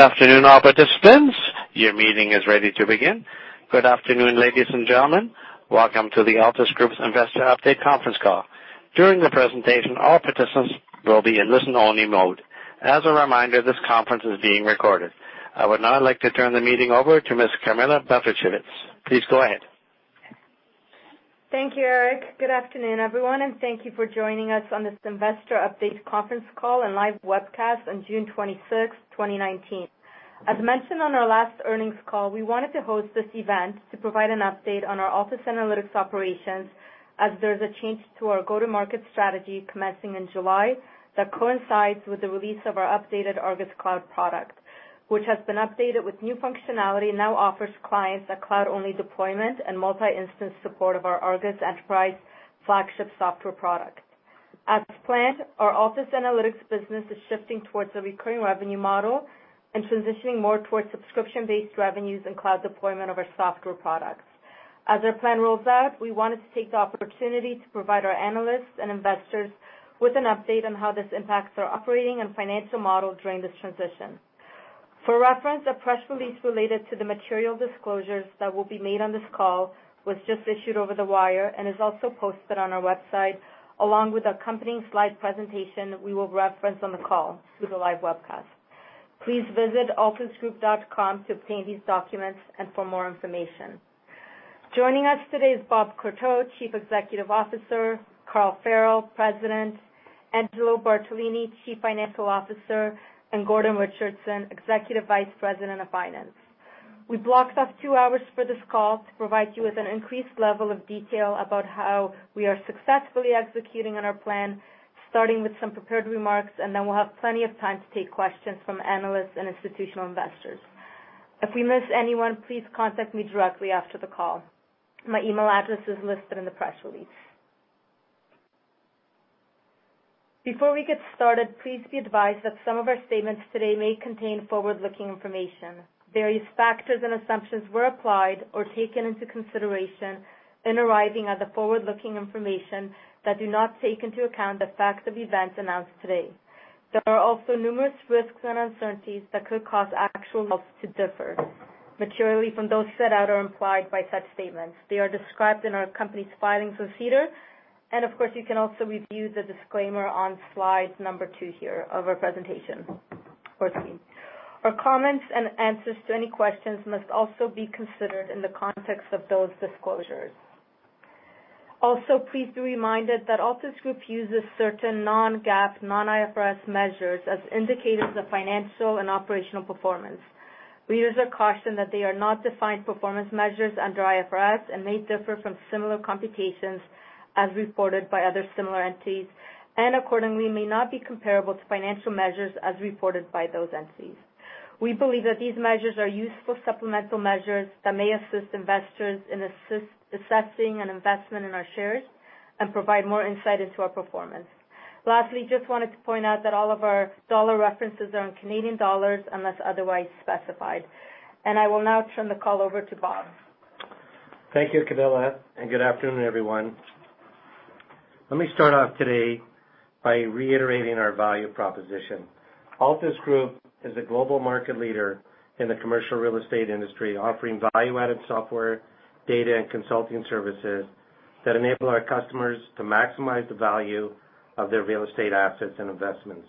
Good afternoon, ladies and gentlemen. Welcome to the Altus Group's Investor Update conference call. During the presentation, all participants will be in listen-only mode. As a reminder, this conference is being recorded. I would now like to turn the meeting over to Ms. Camilla Bartosiewicz. Please go ahead. Thank you, Eric. Good afternoon, everyone, and thank you for joining us on this Investor Update conference call and live webcast on June 26, 2019. As mentioned on our last earnings call, we wanted to host this event to provide an update on our Altus Analytics operations as there's a change to our go-to-market strategy commencing in July that coincides with the release of our updated ARGUS Cloud product, which has been updated with new functionality and now offers clients a cloud-only deployment and multi-instance support of our ARGUS Enterprise flagship software product. As planned, our Altus Analytics business is shifting towards a recurring revenue model and transitioning more towards subscription-based revenues and cloud deployment of our software products. As our plan rolls out, we wanted to take the opportunity to provide our analysts and investors with an update on how this impacts our operating and financial model during this transition. For reference, a press release related to the material disclosures that will be made on this call was just issued over the wire and is also posted on our website, along with accompanying slide presentation we will reference on the call through the live webcast. Please visit altusgroup.com to obtain these documents and for more information. Joining us today is Robert Courteau, Chief Executive Officer, Carl Farrell, President, Angelo Bartolini, Chief Financial Officer, and Gordon Richardson, Executive Vice President of Finance. We blocked off two hours for this call to provide you with an increased level of detail about how we are successfully executing on our plan, starting with some prepared remarks, and then we'll have plenty of time to take questions from analysts and institutional investors. If we miss anyone, please contact me directly after the call. My email address is listed in the press release. Before we get started, please be advised that some of our statements today may contain forward-looking information. Various factors and assumptions were applied or taken into consideration in arriving at the forward-looking information that do not take into account the facts of events announced today. There are also numerous risks and uncertainties that could cause actual results to differ materially from those set out or implied by such statements. They are described in our company's filings with SEDAR. Of course, you can also review the disclaimer on slide number two here of our presentation, or three. Our comments and answers to any questions must also be considered in the context of those disclosures. Please be reminded that Altus Group uses certain non-GAAP, non-IFRS measures as indicators of financial and operational performance. We urge a caution that they are not defined performance measures under IFRS and may differ from similar computations as reported by other similar entities, and accordingly, may not be comparable to financial measures as reported by those entities. We believe that these measures are useful supplemental measures that may assist investors in assessing an investment in our shares and provide more insight into our performance. Lastly, just wanted to point out that all of our dollar references are in CAD unless otherwise specified. I will now turn the call over to Bob. Thank you, Camilla, good afternoon, everyone. Let me start off today by reiterating our value proposition. Altus Group is a global market leader in the commercial real estate industry, offering value-added software, data, and consulting services that enable our customers to maximize the value of their real estate assets and investments.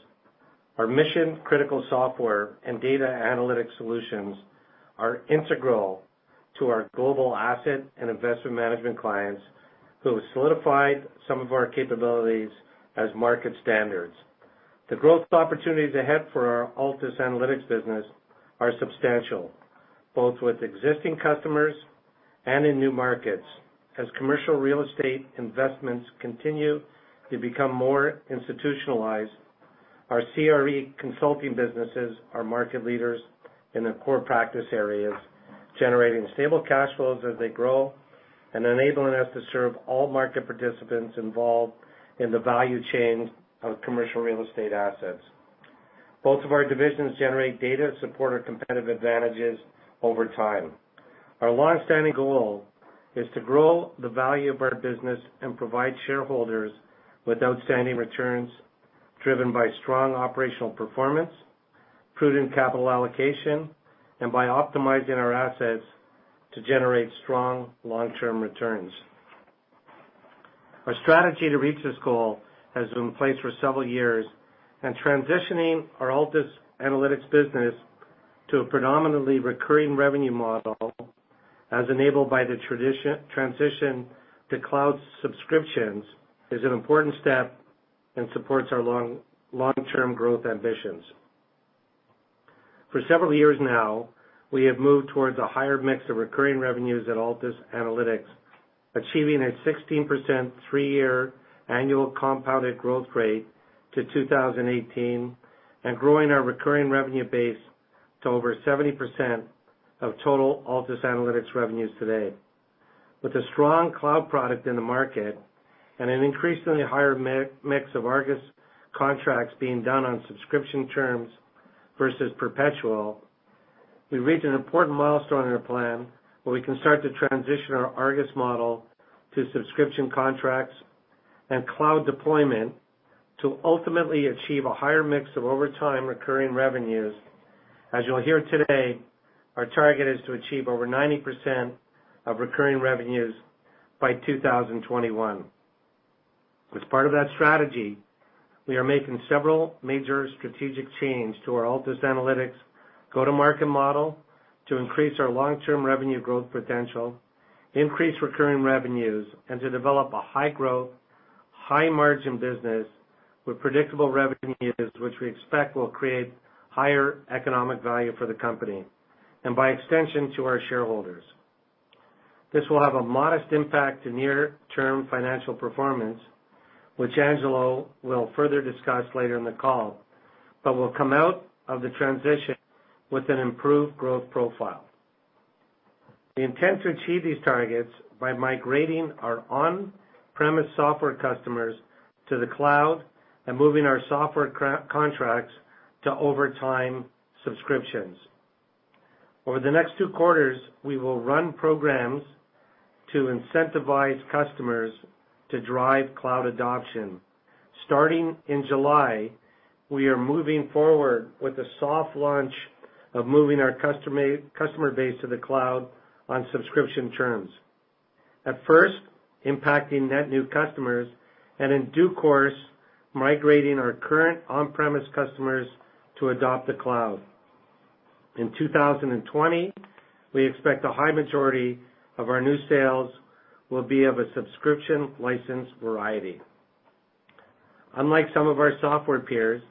Our mission, critical software, and data analytics solutions are integral to our global asset and investment management clients who have solidified some of our capabilities as market standards. The growth opportunities ahead for our Altus Analytics business are substantial, both with existing customers and in new markets. As commercial real estate investments continue to become more institutionalized, our CRE consulting businesses are market leaders in the core practice areas, generating stable cash flows as they grow and enabling us to serve all market participants involved in the value chain of commercial real estate assets. Both of our divisions generate data to support our competitive advantages over time. Our longstanding goal is to grow the value of our business and provide shareholders with outstanding returns driven by strong operational performance, prudent capital allocation, and by optimizing our assets to generate strong long-term returns. Our strategy to reach this goal has been in place for several years, and transitioning our Altus Analytics business to a predominantly recurring revenue model, as enabled by the transition to cloud subscriptions, is an important step and supports our long-term growth ambitions. For several years now, we have moved towards a higher mix of recurring revenues at Altus Analytics, achieving a 16% Three year annual compounded growth rate to 2018 and growing our recurring revenue base to over 70% of total Altus Analytics revenues today. With a strong cloud product in the market and an increasingly higher mix of ARGUS contracts being done on subscription terms versus perpetual. We've reached an important milestone in our plan where we can start to transition our ARGUS model to subscription contracts and cloud deployment to ultimately achieve a higher mix of over time recurring revenues. As you'll hear today, our target is to achieve over 90% of recurring revenues by 2021. As part of that strategy, we are making several major strategic change to our Altus Analytics go-to-market model to increase our long-term revenue growth potential, increase recurring revenues, and to develop a high-growth, high-margin business with predictable revenues, which we expect will create higher economic value for the company, and by extension, to our shareholders. This will have a modest impact to near-term financial performance, which Angelo will further discuss later in the call, but will come out of the transition with an improved growth profile. We intend to achieve these targets by migrating our on-premise software customers to the cloud and moving our software contracts to over time subscriptions. Over the next two quarters, we will run programs to incentivize customers to drive cloud adoption. Starting in July, we are moving forward with the soft launch of moving our customer base to the cloud on subscription terms. At first, impacting net new customers, and in due course, migrating our current on-premise customers to adopt the cloud. In 2020, we expect a high majority of our new sales will be of a subscription license variety. Unlike some of our software peers,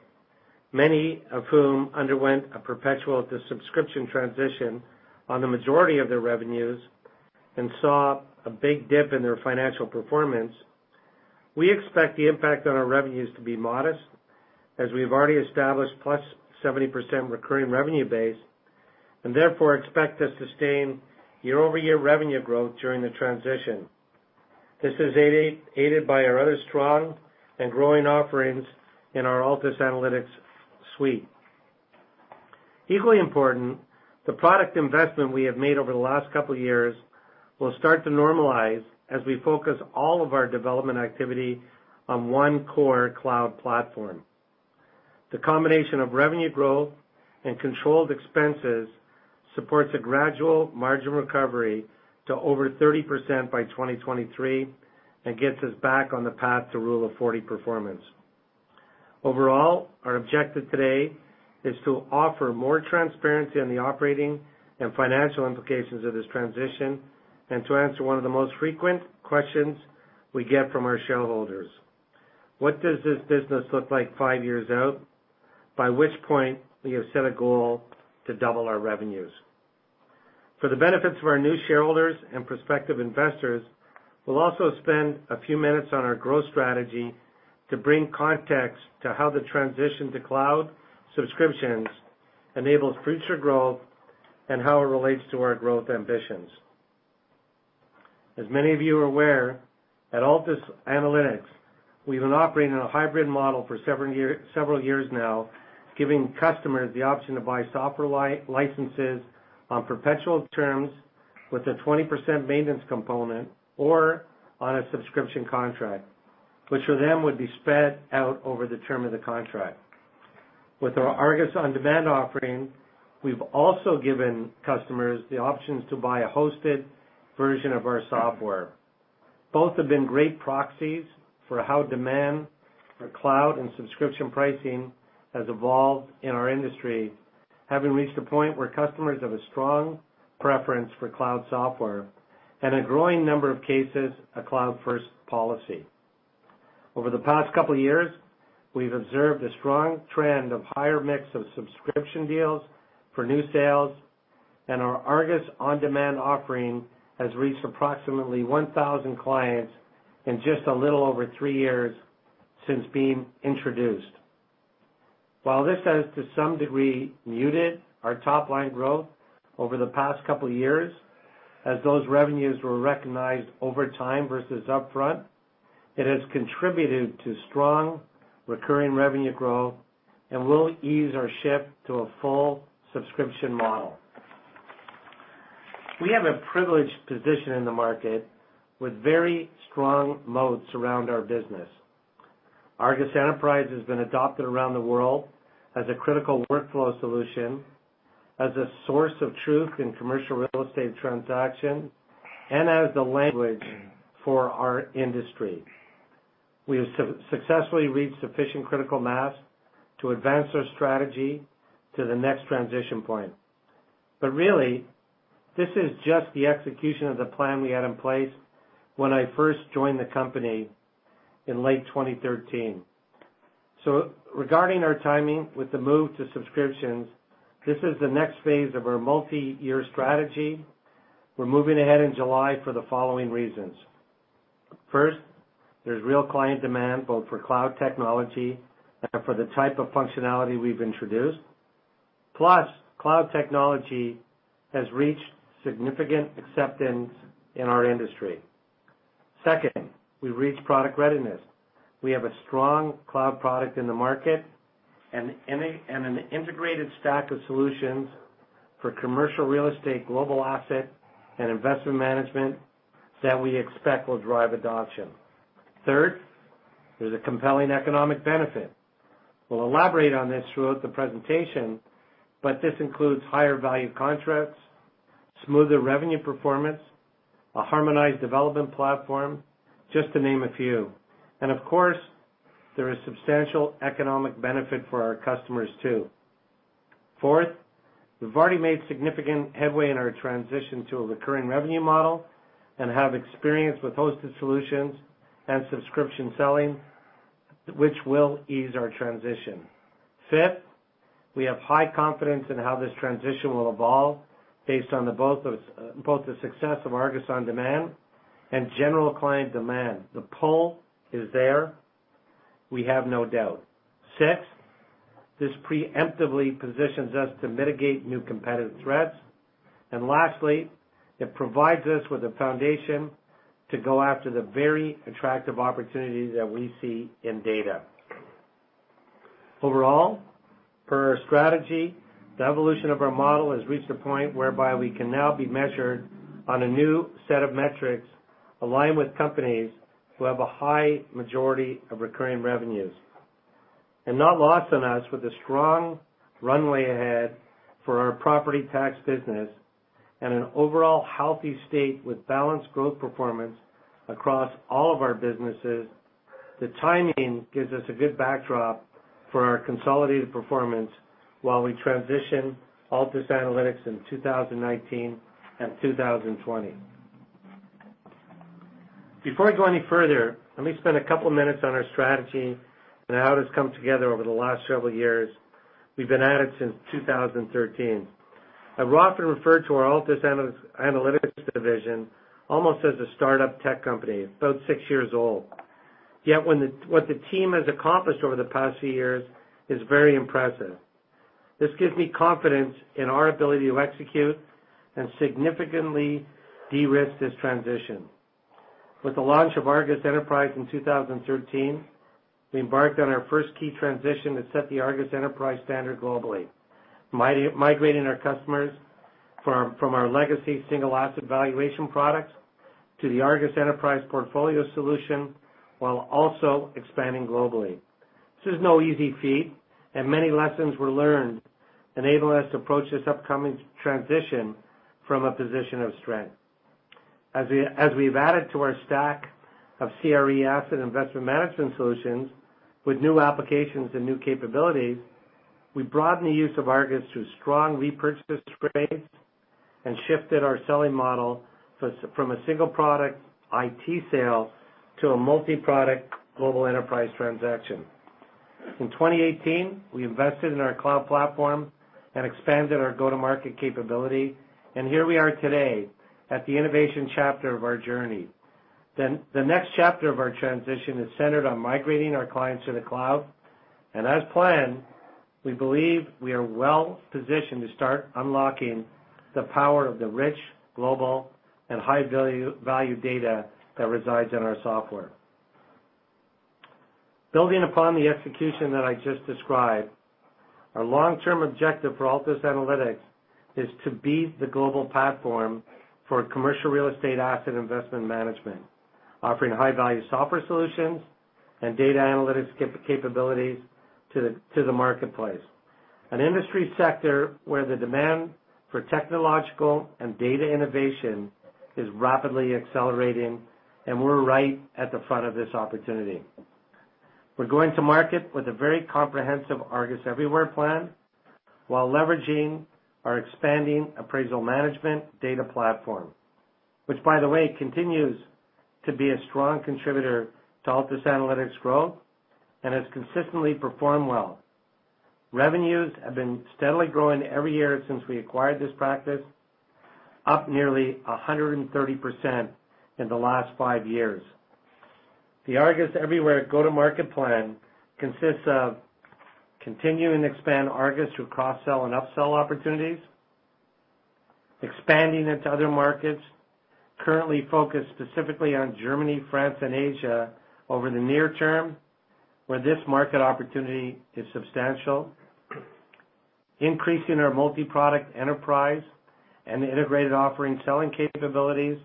many of whom underwent a perpetual to subscription transition on the majority of their revenues and saw a big dip in their financial performance, we expect the impact on our revenues to be modest, as we've already established plus 70% recurring revenue base, and therefore expect to sustain year-over-year revenue growth during the transition. This is aided by our other strong and growing offerings in our Altus Analytics suite. Equally important, the product investment we have made over the last couple of years will start to normalize as we focus all of our development activity on one core cloud platform. The combination of revenue growth and controlled expenses supports a gradual margin recovery to over 30% by 2023 and gets us back on the path to Rule of 40 performance. Overall, our objective today is to offer more transparency on the operating and financial implications of this transition and to answer one of the most frequent questions we get from our shareholders. What does this business look like five years out? By which point, we have set a goal to double our revenues. For the benefits of our new shareholders and prospective investors, we'll also spend a few minutes on our growth strategy to bring context to how the transition to cloud subscriptions enables future growth and how it relates to our growth ambitions. As many of you are aware, at Altus Analytics, we've been operating in a hybrid model for several years now, giving customers the option to buy software licenses on perpetual terms with a 20% maintenance component or on a subscription contract, which for them would be spread out over the term of the contract. With our ARGUS On Demand offering, we've also given customers the options to buy a hosted version of our software. Both have been great proxies for how demand for cloud and subscription pricing has evolved in our industry, having reached a point where customers have a strong preference for cloud software and a growing number of cases, a cloud first policy. Over the past couple of years, we've observed a strong trend of higher mix of subscription deals for new sales. Our ARGUS On Demand offering has reached approximately 1,000 clients in just a little over three years since being introduced. While this has, to some degree, muted our top line growth over the past couple of years, as those revenues were recognized over time versus upfront, it has contributed to strong recurring revenue growth and will ease our shift to a full subscription model. We have a privileged position in the market with very strong moats around our business. ARGUS Enterprise has been adopted around the world as a critical workflow solution, as a source of truth in commercial real estate transaction, and as the language for our industry. We have successfully reached sufficient critical mass to advance our strategy to the next transition point. Really, this is just the execution of the plan we had in place when I first joined the company in late 2013. Regarding our timing with the move to subscriptions, this is the next phase of our multi-year strategy. We're moving ahead in July for the following reasons. First, there's real client demand, both for cloud technology and for the type of functionality we've introduced. Plus, cloud technology has reached significant acceptance in our industry. Second, we've reached product readiness. We have a strong cloud product in the market and an integrated stack of solutions for commercial real estate, global asset, and investment management that we expect will drive adoption. Third, there's a compelling economic benefit. We'll elaborate on this throughout the presentation, but this includes higher value contracts, smoother revenue performance, a harmonized development platform, just to name a few. Of course, there is substantial economic benefit for our customers too. Fourth, we've already made significant headway in our transition to a recurring revenue model and have experience with hosted solutions and subscription selling, which will ease our transition. Fifth, we have high confidence in how this transition will evolve based on both the success of ARGUS On Demand and general client demand. The pull is there. We have no doubt. Sixth, this preemptively positions us to mitigate new competitive threats. Lastly, it provides us with a foundation to go after the very attractive opportunities that we see in data. Overall, per our strategy, the evolution of our model has reached a point whereby we can now be measured on a new set of metrics aligned with companies who have a high majority of recurring revenues. Not lost on us, with a strong runway ahead for our property tax business and an overall healthy state with balanced growth performance across all of our businesses, the timing gives us a good backdrop for our consolidated performance while we transition Altus Analytics in 2019 and 2020. Before I go any further, let me spend a couple minutes on our strategy and how it has come together over the last several years. We've been at it since 2013. I've often referred to our Altus Analytics Division almost as a startup tech company, about six years old. Yet what the team has accomplished over the past few years is very impressive. This gives me confidence in our ability to execute and significantly de-risk this transition. With the launch of ARGUS Enterprise in 2013, we embarked on our first key transition that set the ARGUS Enterprise standard globally, migrating our customers from our legacy single asset valuation products to the ARGUS Enterprise portfolio solution while also expanding globally. This is no easy feat, and many lessons were learned enabling us to approach this upcoming transition from a position of strength. As we've added to our stack of CRE asset investment management solutions with new applications and new capabilities, we broadened the use of ARGUS through strong repurchase rates and shifted our selling model from a single product IT sale to a multiproduct global enterprise transaction. In 2018, we invested in our cloud platform and expanded our go-to-market capability, and here we are today at the innovation chapter of our journey. The next chapter of our transition is centered on migrating our clients to the cloud. As planned, we believe we are well positioned to start unlocking the power of the rich, global, and high value data that resides in our software. Building upon the execution that I just described, our long-term objective for Altus Analytics is to be the global platform for commercial real estate asset investment management, offering high-value software solutions and data analytics capabilities to the marketplace. An industry sector where the demand for technological and data innovation is rapidly accelerating, and we're right at the front of this opportunity. We're going to market with a very comprehensive ARGUS Everywhere plan while leveraging our expanding appraisal management data platform. Which, by the way, continues to be a strong contributor to Altus Analytics growth and has consistently performed well. Revenues have been steadily growing every year since we acquired this practice, up nearly 130% in the last five years. The ARGUS Everywhere go-to-market plan consists of continue and expand ARGUS through cross-sell and upsell opportunities; expanding into other markets currently focused specifically on Germany, France, and Asia over the near term, where this market opportunity is substantial; increasing our multiproduct enterprise and the integrated offering selling capabilities.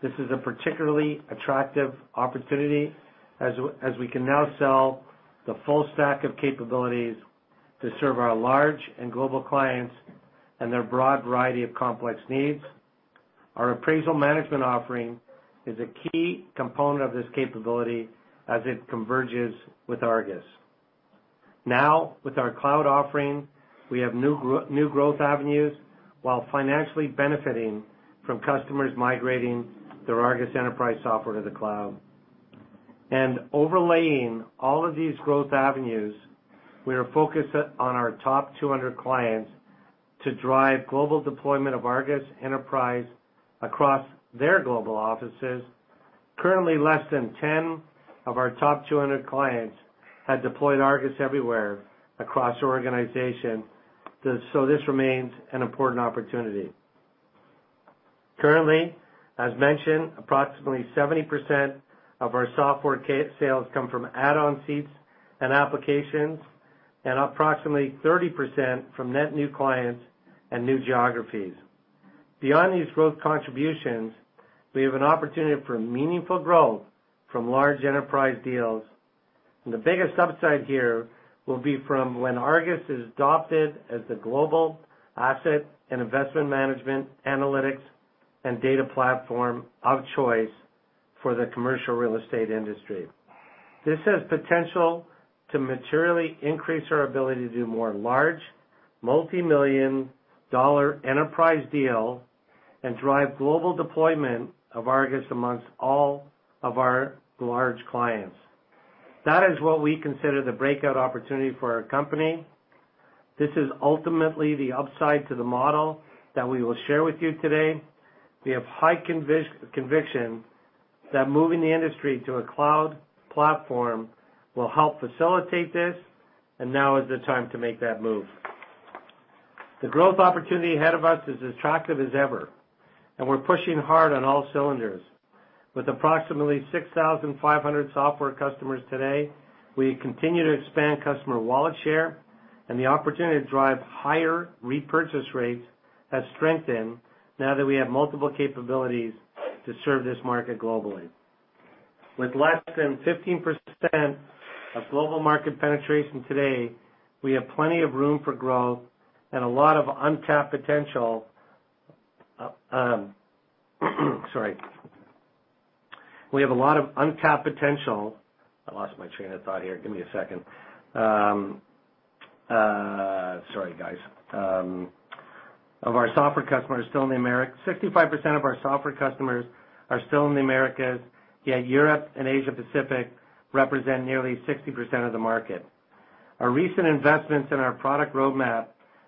This is a particularly attractive opportunity as we can now sell the full stack of capabilities to serve our large and global clients and their broad variety of complex needs. Our appraisal management offering is a key component of this capability as it converges with ARGUS. Now, with our cloud offering, we have new growth avenues while financially benefiting from customers migrating their ARGUS Enterprise software to the cloud. Overlaying all of these growth avenues, we are focused on our top 200 clients to drive global deployment of ARGUS Enterprise across their global offices. Currently, less than 10 of our top 200 clients have deployed ARGUS Everywhere across the organization. This remains an important opportunity. Currently, as mentioned, approximately 70% of our software sales come from add-on seats and applications, and approximately 30% from net new clients and new geographies. Beyond these growth contributions, we have an opportunity for meaningful growth from large enterprise deals, and the biggest upside here will be from when ARGUS is adopted as the global asset and investment management analytics and data platform of choice for the commercial real estate industry. This has potential to materially increase our ability to do more large, multimillion-dollar enterprise deals and drive global deployment of ARGUS amongst all of our large clients. That is what we consider the breakout opportunity for our company. This is ultimately the upside to the model that we will share with you today. We have high conviction that moving the industry to a cloud platform will help facilitate this, and now is the time to make that move. The growth opportunity ahead of us is as attractive as ever, and we're pushing hard on all cylinders. With approximately 6,500 software customers today, we continue to expand customer wallet share, and the opportunity to drive higher repurchase rates has strengthened now that we have multiple capabilities to serve this market globally. With less than 15% of global market penetration today, we have plenty of room for growth and a lot of untapped potential. I lost my train of thought here. Give me a second. Sorry, guys. 65% of our software customers are still in the Americas, yet Europe and Asia Pacific represent nearly 60% of the market. Our recent investments in our product roadmap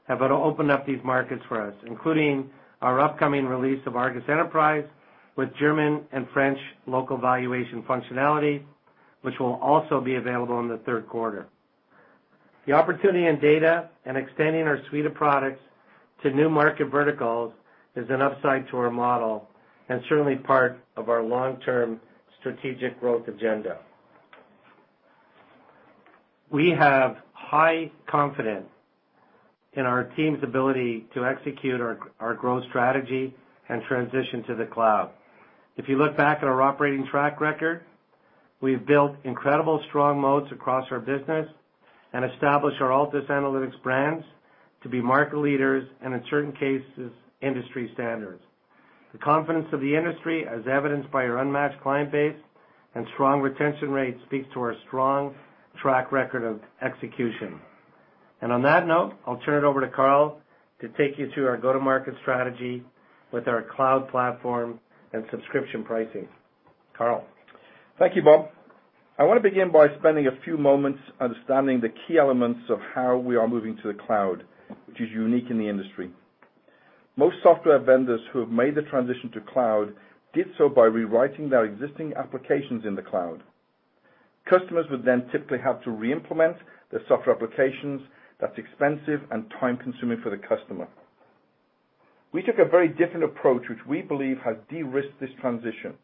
have opened up these markets for us, including our upcoming release of ARGUS Enterprise with German and French local valuation functionality, which will also be available in the third quarter. The opportunity in data and extending our suite of products to new market verticals is an upside to our model and certainly part of our long-term strategic growth agenda. We have high confidence in our team's ability to execute our growth strategy and transition to the cloud. If you look back at our operating track record, we've built incredible strong moats across our business and established our Altus Analytics brands to be market leaders and in certain cases, industry standards. The confidence of the industry, as evidenced by our unmatched client base and strong retention rates, speaks to our strong track record of execution. On that note, I'll turn it over to Carl to take you through our go-to-market strategy with our cloud platform and subscription pricing. Carl. Thank you, Bob. I wanna begin by spending a few moments understanding the key elements of how we are moving to the cloud, which is unique in the industry. Most software vendors who have made the transition to cloud did so by rewriting their existing applications in the cloud. Customers would typically have to re-implement their software applications. That's expensive and time-consuming for the customer. We took a very different approach, which we believe has de-risked this transition.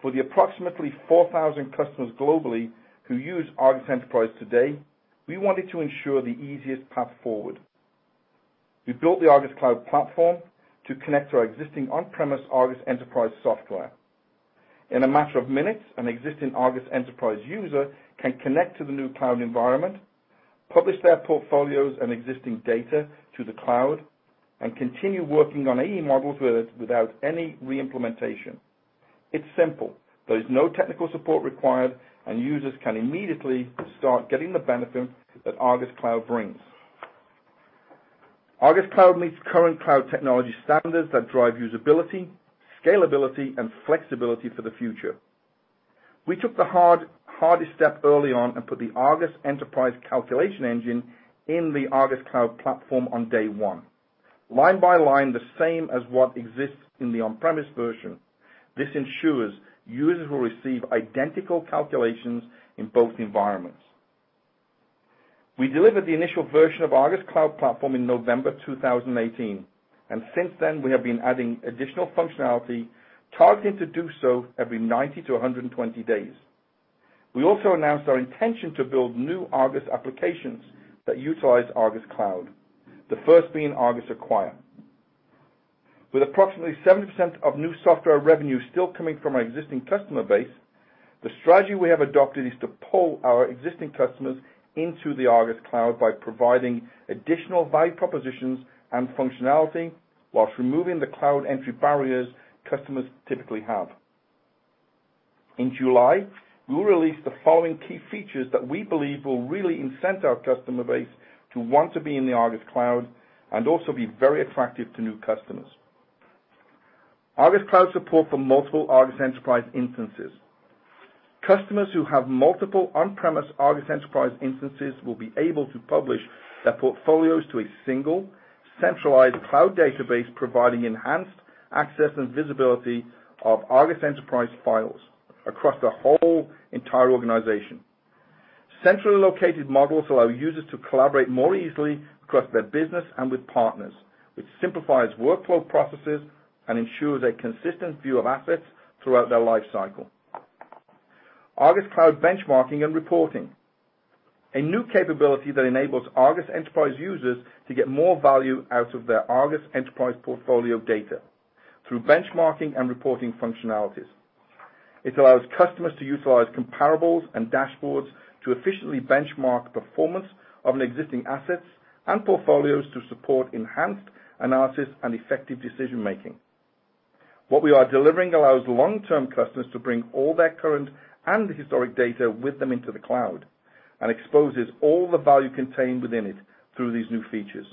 For the approximately 4,000 customers globally who use ARGUS Enterprise today, we wanted to ensure the easiest path forward. We built the ARGUS Cloud platform to connect to our existing on-premise ARGUS Enterprise software. In a matter of minutes, an existing ARGUS Enterprise user can connect to the new cloud environment, publish their portfolios and existing data to the cloud, and continue working on AE models without any re-implementation. It's simple. There is no technical support required, and users can immediately start getting the benefit that ARGUS Cloud brings. ARGUS Cloud meets current cloud technology standards that drive usability, scalability, and flexibility for the future. We took the hard, hardest step early on and put the ARGUS Enterprise calculation engine in the ARGUS Cloud platform on day one. Line by line, the same as what exists in the on-premise version. This ensures users will receive identical calculations in both environments. We delivered the initial version of ARGUS Cloud platform in November 2018, and since then, we have been adding additional functionality, targeting to do so every 90 to 120 days. We also announced our intention to build new ARGUS applications that utilize ARGUS Cloud, the first being ARGUS Acquire. With approximately 70% of new software revenue still coming from our existing customer base, the strategy we have adopted is to pull our existing customers into the ARGUS Cloud by providing additional value propositions and functionality while removing the cloud entry barriers customers typically have. In July, we will release the following key features that we believe will really incent our customer base to want to be in the ARGUS Cloud and also be very attractive to new customers. ARGUS Cloud support for multiple ARGUS Enterprise instances. Customers who have multiple on-premise ARGUS Enterprise instances will be able to publish their portfolios to a single centralized cloud database providing enhanced access and visibility of ARGUS Enterprise files across the whole entire organization. Centrally located models allow users to collaborate more easily across their business and with partners, which simplifies workflow processes and ensures a consistent view of assets throughout their lifecycle. ARGUS Cloud benchmarking and reporting. A new capability that enables ARGUS Enterprise users to get more value out of their ARGUS Enterprise portfolio data through benchmarking and reporting functionalities. It allows customers to utilize comparables and dashboards to efficiently benchmark performance of existing assets and portfolios to support enhanced analysis and effective decision-making. What we are delivering allows long-term customers to bring all their current and historic data with them into the cloud and exposes all the value contained within it through these new features.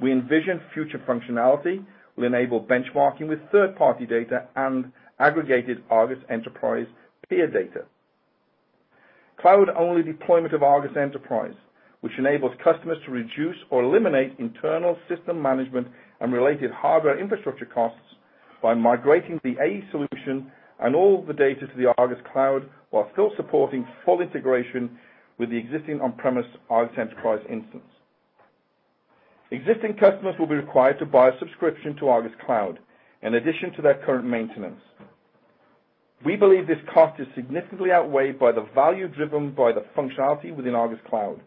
We envision future functionality will enable benchmarking with third-party data and aggregated ARGUS Enterprise peer data. Cloud-only deployment of ARGUS Enterprise, which enables customers to reduce or eliminate internal system management and related hardware infrastructure costs by migrating the AE solution and all the data to the ARGUS Cloud, while still supporting full integration with the existing on-premise ARGUS Enterprise instance. Existing customers will be required to buy a subscription to ARGUS Cloud in addition to their current maintenance. We believe this cost is significantly outweighed by the value driven by the functionality within ARGUS Cloud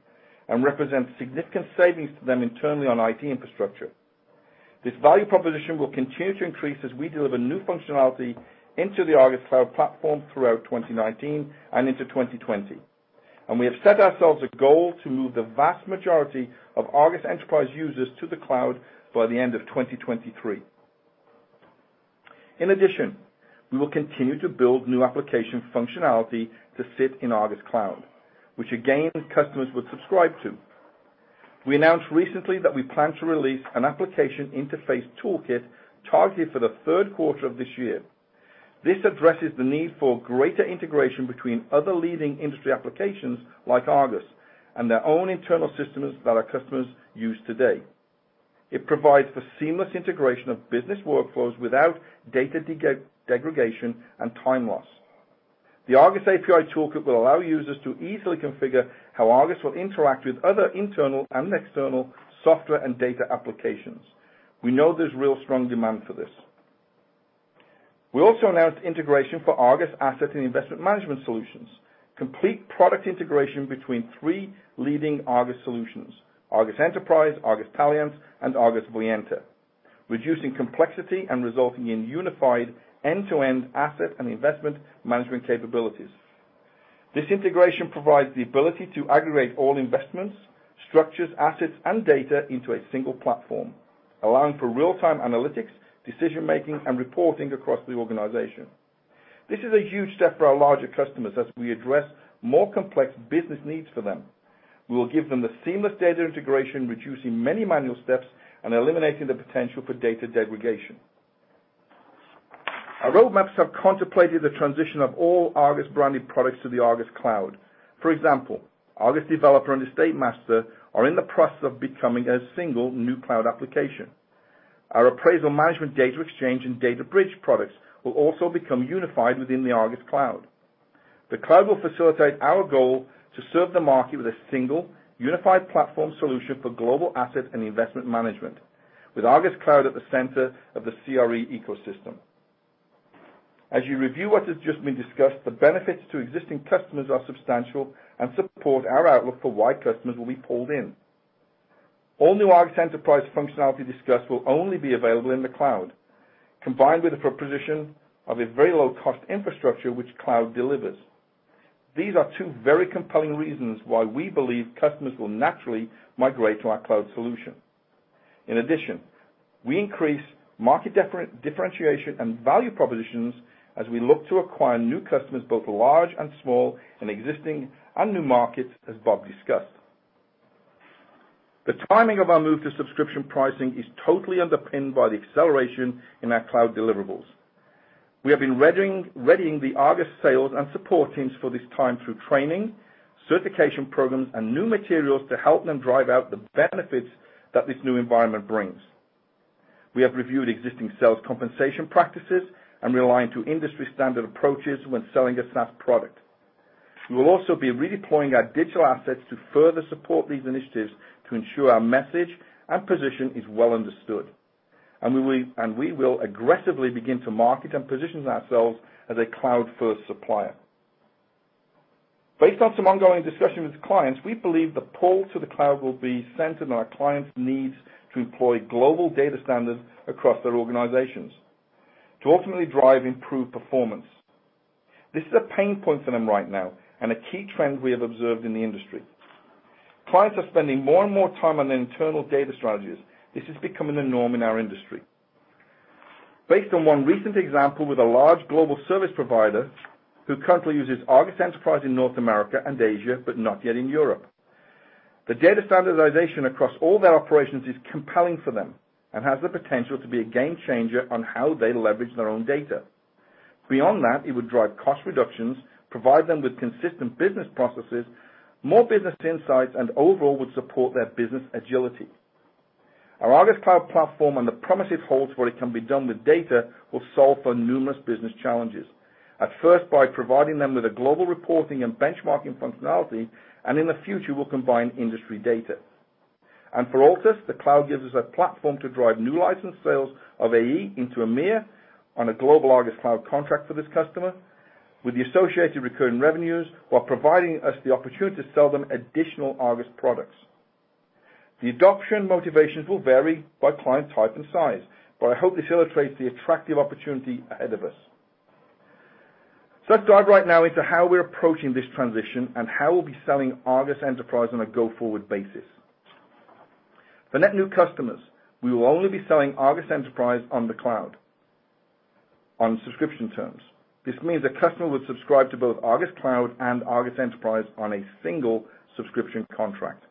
and represents significant savings to them internally on IT infrastructure. This value proposition will continue to increase as we deliver new functionality into the ARGUS Cloud platform throughout 2019 and into 2020. We have set ourselves a goal to move the vast majority of ARGUS Enterprise users to the cloud by the end of 2023. In addition, we will continue to build new application functionality to sit in ARGUS Cloud, which again, customers would subscribe to. We announced recently that we plan to release an application interface toolkit targeted for the third quarter of this year. This addresses the need for greater integration between other leading industry applications like ARGUS and their own internal systems that our customers use today. It provides for seamless integration of business workflows without data degradation and time loss. The ARGUS API toolkit will allow users to easily configure how ARGUS will interact with other internal and external software and data applications. We know there's real strong demand for this. We also announced integration for ARGUS Asset and Investment Management Solutions, complete product integration between three leading ARGUS solutions: ARGUS Enterprise, ARGUS Taliance, and ARGUS Voyanta, reducing complexity and resulting in unified end-to-end asset and investment management capabilities. This integration provides the ability to aggregate all investments, structures, assets, and data into a single platform, allowing for real-time analytics, decision-making, and reporting across the organization. This is a huge step for our larger customers as we address more complex business needs for them. We will give them the seamless data integration, reducing many manual steps and eliminating the potential for data degradation. Our roadmaps have contemplated the transition of all ARGUS branded products to the ARGUS Cloud. For example, ARGUS Developer and ARGUS EstateMaster are in the process of becoming a single new cloud application. Our appraisal management Data Exchange and DataBridge products will also become unified within the ARGUS Cloud. The cloud will facilitate our goal to serve the market with a single unified platform solution for global asset and investment management, with ARGUS Cloud at the center of the CRE ecosystem. As you review what has just been discussed, the benefits to existing customers are substantial and support our outlook for why customers will be pulled in. All new ARGUS Enterprise functionality discussed will only be available in the cloud, combined with the proposition of a very low-cost infrastructure which cloud delivers. These are two very compelling reasons why we believe customers will naturally migrate to our Cloud solution. In addition, we increase market differentiation and value propositions as we look to acquire new customers, both large and small, in existing and new markets, as Bob discussed. The timing of our move to subscription pricing is totally underpinned by the acceleration in our Cloud deliverables. We have been readying the ARGUS sales and support teams for this time through training, certification programs, and new materials to help them drive out the benefits that this new environment brings. We have reviewed existing sales compensation practices and realigned to industry standard approaches when selling a SaaS product. We will also be redeploying our digital assets to further support these initiatives to ensure our message and position is well understood. We will aggressively begin to market and position ourselves as a cloud-first supplier. Based on some ongoing discussions with clients, we believe the pull to the cloud will be centered on our clients' needs to employ global data standards across their organizations to ultimately drive improved performance. This is a pain point for them right now and a key trend we have observed in the industry. Clients are spending more and more time on their internal data strategies. This is becoming the norm in our industry. Based on one recent example with a large global service provider who currently uses ARGUS Enterprise in North America and Asia, but not yet in Europe, the data standardization across all their operations is compelling for them and has the potential to be a game changer on how they leverage their own data. Beyond that, it would drive cost reductions, provide them with consistent business processes, more business insights, and overall would support their business agility. Our ARGUS Cloud platform and the promise it holds for what it can be done with data will solve for numerous business challenges. At first, by providing them with a global reporting and benchmarking functionality, and in the future, we'll combine industry data. For Altus, the cloud gives us a platform to drive new license sales of AE into EMEA on a global ARGUS Cloud contract for this customer with the associated recurring revenues, while providing us the opportunity to sell them additional ARGUS products. The adoption motivations will vary by client type and size, but I hope this illustrates the attractive opportunity ahead of us. Let's dive right now into how we're approaching this transition and how we'll be selling ARGUS Enterprise on a go-forward basis. For net new customers, we will only be selling ARGUS Enterprise on the cloud on subscription terms. This means a customer would subscribe to both ARGUS Cloud and ARGUS Enterprise on a single subscription contract.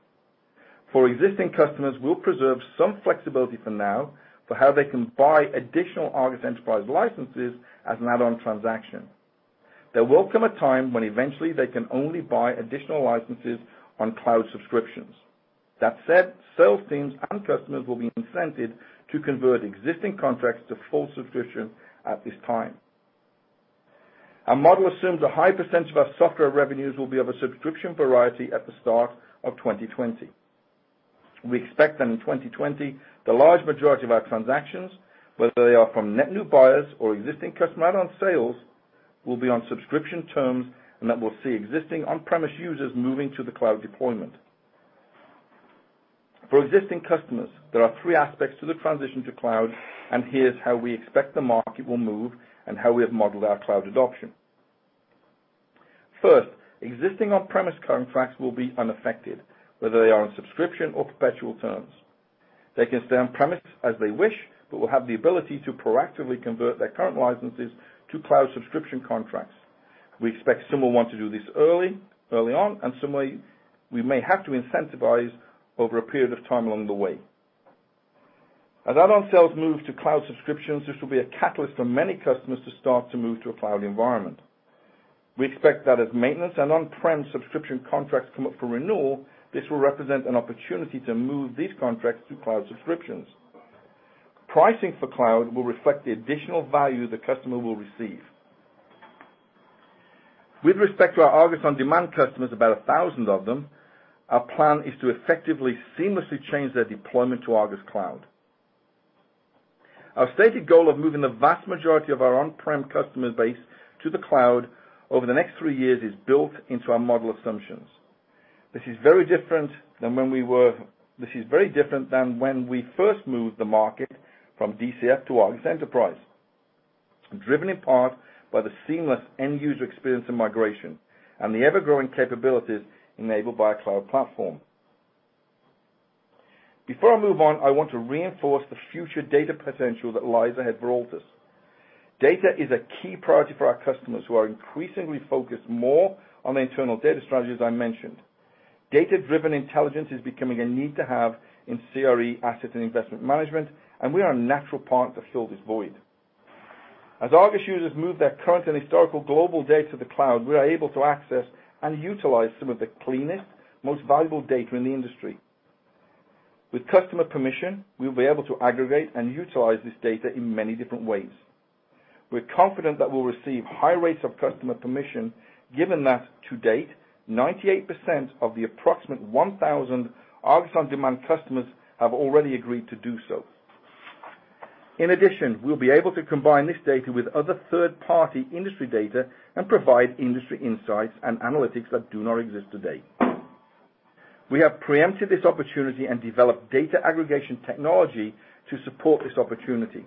For existing customers, we'll preserve some flexibility for now for how they can buy additional ARGUS Enterprise licenses as an add-on transaction. There will come a time when eventually they can only buy additional licenses on cloud subscriptions. Sales teams and customers will be incented to convert existing contracts to full subscription at this time. Our model assumes a high percent of our software revenues will be of a subscription variety at the start of 2020. We expect that in 2020, the large majority of our transactions, whether they are from net new buyers or existing customer add-on sales, will be on subscription terms, and that we'll see existing on-premise users moving to the cloud deployment. For existing customers, there are three aspects to the transition to cloud, and here's how we expect the market will move and how we have modeled our cloud adoption. Existing on-premise contracts will be unaffected, whether they are on subscription or perpetual terms. They can stay on-premise as they wish, but will have the ability to proactively convert their current licenses to cloud subscription contracts. We expect some will want to do this early on, and similarly, we may have to incentivize over a period of time along the way. As add-on sales move to cloud subscriptions, this will be a catalyst for many customers to start to move to a cloud environment. We expect that as maintenance and on-prem subscription contracts come up for renewal, this will represent an opportunity to move these contracts to cloud subscriptions. Pricing for cloud will reflect the additional value the customer will receive. With respect to our ARGUS On Demand customers, about 1,000 of them, our plan is to effectively seamlessly change their deployment to ARGUS Cloud. Our stated goal of moving the vast majority of our on-prem customer base to the cloud over the next three years is built into our model assumptions. This is very different than when we first moved the market from DCF to ARGUS Enterprise, driven in part by the seamless end-user experience and migration and the ever-growing capabilities enabled by a cloud platform. Before I move on, I want to reinforce the future data potential that lies ahead for Altus. Data is a key priority for our customers who are increasingly focused more on internal data strategies, I mentioned. Data-driven intelligence is becoming a need to have in CRE asset and investment management, and we are a natural partner to fill this void. As ARGUS users move their current and historical global data to the cloud, we are able to access and utilize some of the cleanest, most valuable data in the industry. With customer permission, we'll be able to aggregate and utilize this data in many different ways. We're confident that we'll receive high rates of customer permission, given that, to date, 98% of the approximate 1,000 ARGUS On Demand customers have already agreed to do so. In addition, we'll be able to combine this data with other third-party industry data and provide industry insights and analytics that do not exist today. We have preempted this opportunity and developed data aggregation technology to support this opportunity.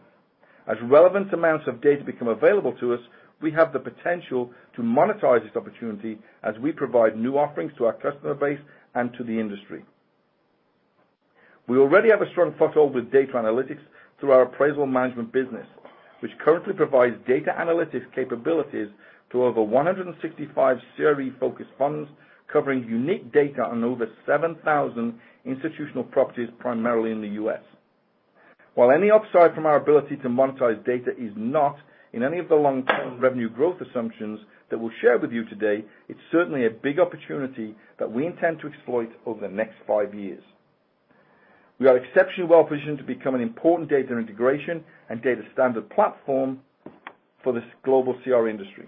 As relevant amounts of data become available to us, we have the potential to monetize this opportunity as we provide new offerings to our customer base and to the industry. We already have a strong foothold with data analytics through our appraisal management business, which currently provides data analytics capabilities to over 165 CRE-focused funds covering unique data on over 7,000 institutional properties, primarily in the U.S. While any upside from our ability to monetize data is not in any of the long-term revenue growth assumptions that we'll share with you today, it's certainly a big opportunity that we intend to exploit over the next five years. We are exceptionally well-positioned to become an important data integration and data standard platform for this global CRE industry.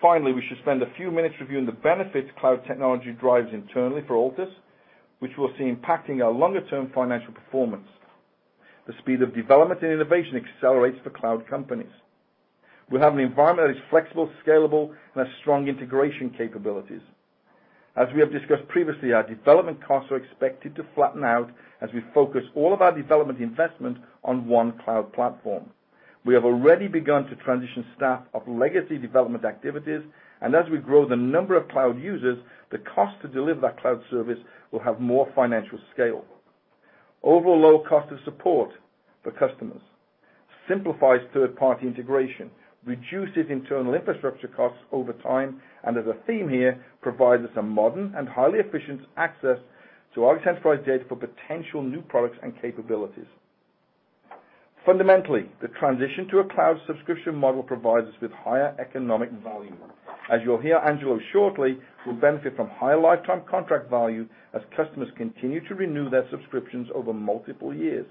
Finally, we should spend a few minutes reviewing the benefits cloud technology drives internally for Altus, which we'll see impacting our longer-term financial performance. The speed of development and innovation accelerates for cloud companies. We'll have an environment that is flexible, scalable, and has strong integration capabilities. As we have discussed previously, our development costs are expected to flatten out as we focus all of our development investment on 1 cloud platform. We have already begun to transition staff off legacy development activities. As we grow the number of cloud users, the cost to deliver that cloud service will have more financial scale. Overall low cost of support for customers, simplifies third-party integration, reduces internal infrastructure costs over time, and as a theme here, provides us a modern and highly efficient access to ARGUS Enterprise data for potential new products and capabilities. Fundamentally, the transition to a cloud subscription model provides us with higher economic volume. As you'll hear Angelo shortly, we'll benefit from higher lifetime contract value as customers continue to renew their subscriptions over multiple years.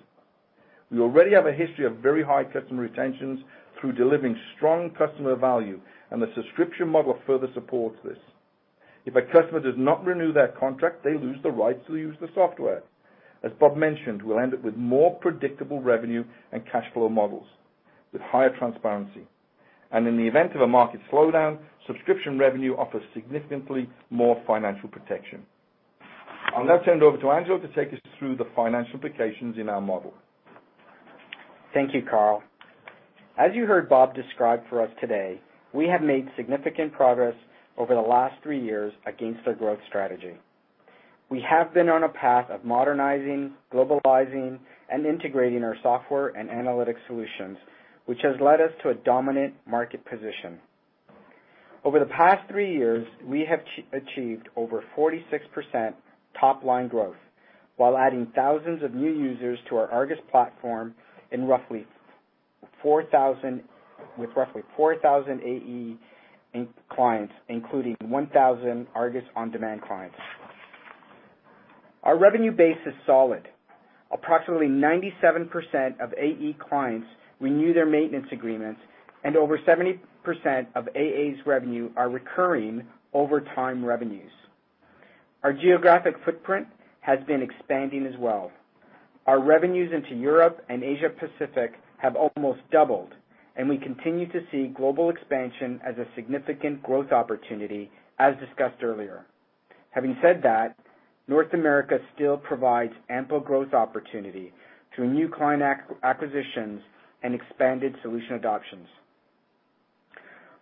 We already have a history of very high customer retentions through delivering strong customer value, and the subscription model further supports this. If a customer does not renew their contract, they lose the right to use the software. As Bob mentioned, we'll end up with more predictable revenue and cash flow models with higher transparency. In the event of a market slowdown, subscription revenue offers significantly more financial protection. I'll now turn it over to Angelo to take us through the financial implications in our model. Thank you, Carl. As you heard Bob describe for us today, we have made significant progress over the last three years against our growth strategy. We have been on a path of modernizing, globalizing, and integrating our software and analytic solutions, which has led us to a dominant market position. Over the past three years, we have achieved over 46% top-line growth while adding thousands of new users to our ARGUS platform with roughly 4,000 AE clients, including 1,000 ARGUS On Demand clients. Our revenue base is solid. Approximately 97% of AE clients renew their maintenance agreements and over 70% of AA's revenue are recurring over time revenues. Our geographic footprint has been expanding as well. Our revenues into Europe and Asia Pacific have almost doubled. We continue to see global expansion as a significant growth opportunity, as discussed earlier. Having said that, North America still provides ample growth opportunity through new client acquisitions and expanded solution adoptions.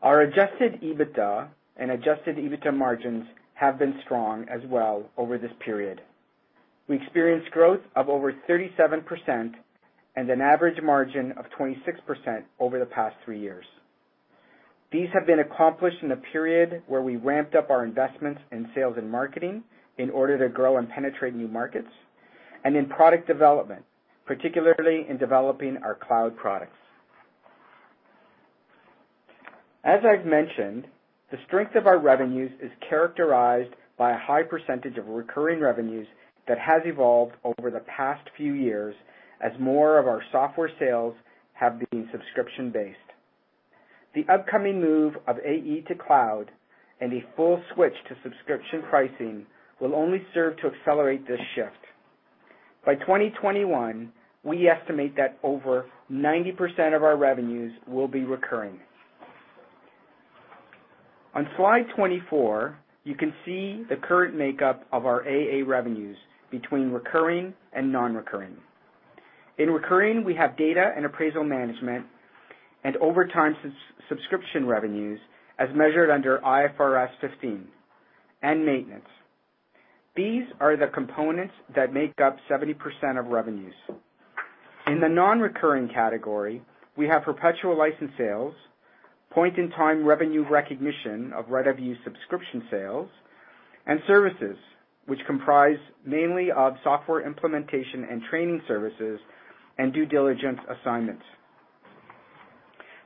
Our adjusted EBITDA and adjusted EBITDA margins have been strong as well over this period. We experienced growth of over 37% and an average margin of 26% over the past three years. These have been accomplished in a period where we ramped up our investments in sales and marketing in order to grow and penetrate new markets, and in product development, particularly in developing our cloud products. As I've mentioned, the strength of our revenues is characterized by a high percentage of recurring revenues that has evolved over the past few years as more of our software sales have been subscription-based. The upcoming move of AE to cloud and a full switch to subscription pricing will only serve to accelerate this shift. By 2021, we estimate that over 90% of our revenues will be recurring. On slide 24, you can see the current makeup of our AA revenues between recurring and non-recurring. In recurring, we have data and appraisal management and over time subscription revenues as measured under IFRS 15 and maintenance. These are the components that make up 70% of revenues. In the non-recurring category, we have perpetual license sales, point-in-time revenue recognition of revenue subscription sales, and services, which comprise mainly of software implementation and training services and due diligence assignments.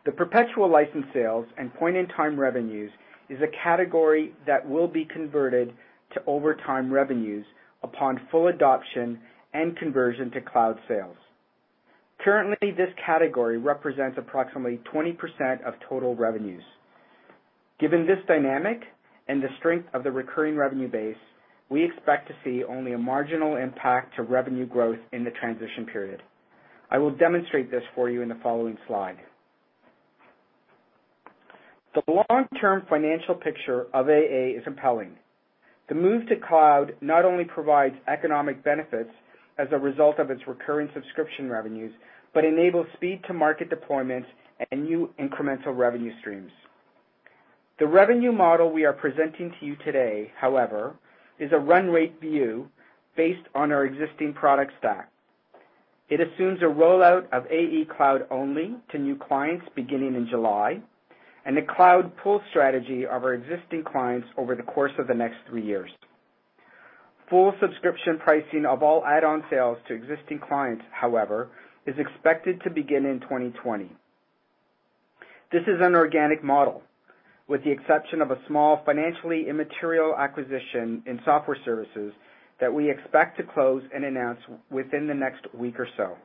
The perpetual license sales and point-in-time revenues is a category that will be converted to over time revenues upon full adoption and conversion to cloud sales. Currently, this category represents approximately 20% of total revenues. Given this dynamic and the strength of the recurring revenue base, we expect to see only a marginal impact to revenue growth in the transition period. I will demonstrate this for you in the following slide. The long-term financial picture of AA is compelling. The move to cloud not only provides economic benefits as a result of its recurring subscription revenues, but enables speed to market deployment and new incremental revenue streams. The revenue model we are presenting to you today, however, is a run rate view based on our existing product stack. It assumes a rollout of AE Cloud only to new clients beginning in July, and a cloud pull strategy of our existing clients over the course of the next three years. Full subscription pricing of all add-on sales to existing clients, however, is expected to begin in 2020. This is an organic model, with the exception of a small financially immaterial acquisition in software services that we expect to close and announce within the next week or so.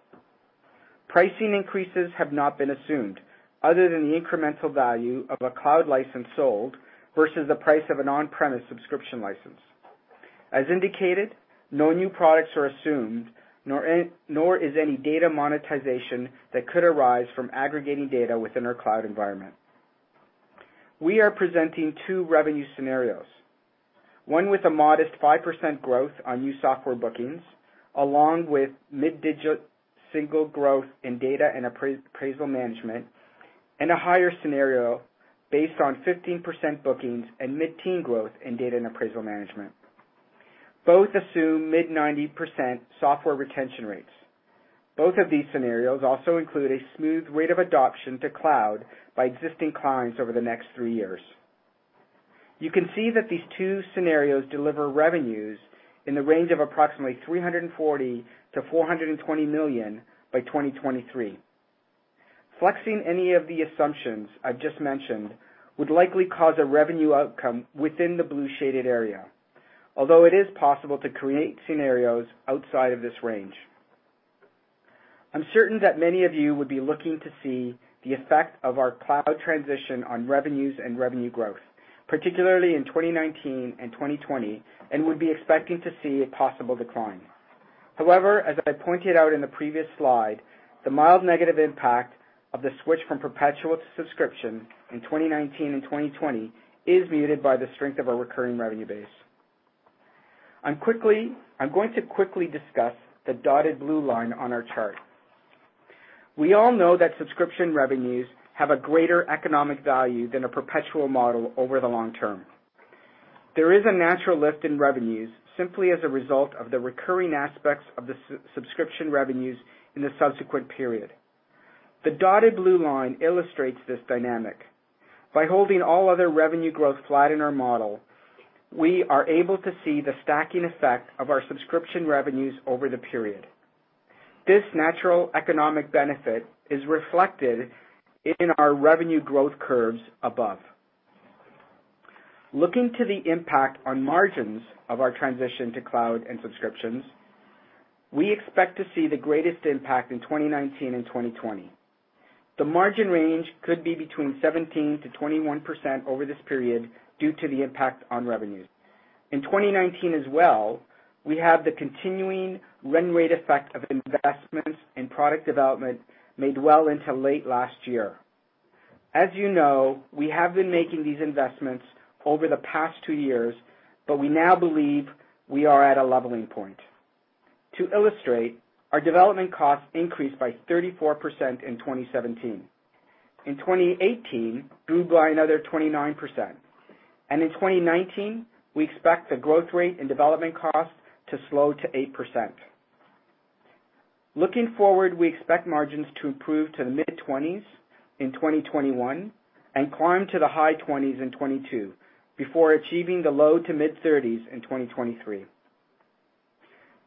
Pricing increases have not been assumed other than the incremental value of a cloud license sold versus the price of an on-premise subscription license. As indicated, no new products are assumed, nor is any data monetization that could arise from aggregating data within our cloud environment. We are presenting two revenue scenarios, one with a modest 5% growth on new software bookings, along with mid-digit single growth in data and appraisal management, and a higher scenario based on 15% bookings and mid-teen growth in data and appraisal management. Both assume mid 90% software retention rates. Both of these scenarios also include a smooth rate of adoption to cloud by existing clients over the next three years. You can see that these two scenarios deliver revenues in the range of approximately 340 million-420 million by 2023. Flexing any of the assumptions I've just mentioned would likely cause a revenue outcome within the blue shaded area, although it is possible to create scenarios outside of this range. I'm certain that many of you would be looking to see the effect of our cloud transition on revenues and revenue growth, particularly in 2019 and 2020, and would be expecting to see a possible decline. As I pointed out in the previous slide, the mild negative impact of the switch from perpetual to subscription in 2019 and 2020 is muted by the strength of our recurring revenue base. I'm going to quickly discuss the dotted blue line on our chart. We all know that subscription revenues have a greater economic value than a perpetual model over the long term. There is a natural lift in revenues simply as a result of the recurring aspects of the subscription revenues in the subsequent period. The dotted blue line illustrates this dynamic. By holding all other revenue growth flat in our model, we are able to see the stacking effect of our subscription revenues over the period. This natural economic benefit is reflected in our revenue growth curves above. Looking to the impact on margins of our transition to cloud and subscriptions, we expect to see the greatest impact in 2019 and 2020. The margin range could be between 17%-21% over this period due to the impact on revenues. In 2019 as well, we have the continuing run rate effect of investments in product development made well into late last year. As you know, we have been making these investments over the past two years, but we now believe we are at a leveling point. To illustrate, our development costs increased by 34% in 2017. In 2018, grew by another 29%. In 2019, we expect the growth rate in development costs to slow to 8%. Looking forward, we expect margins to improve to the mid-20s in 2021 and climb to the high 20s in 2022 before achieving the low to mid-30s in 2023.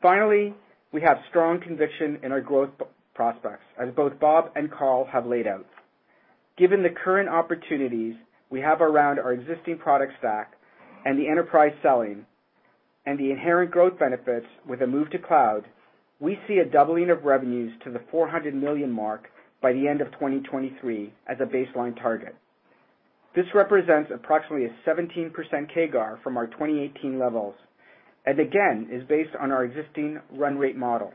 Finally, we have strong conviction in our growth prospects, as both Bob and Carl have laid out. Given the current opportunities we have around our existing product stack and the enterprise selling and the inherent growth benefits with a move to cloud, we see a doubling of revenues to the 400 million mark by the end of 2023 as a baseline target. This represents approximately a 17% CAGR from our 2018 levels, and again, is based on our existing run rate model.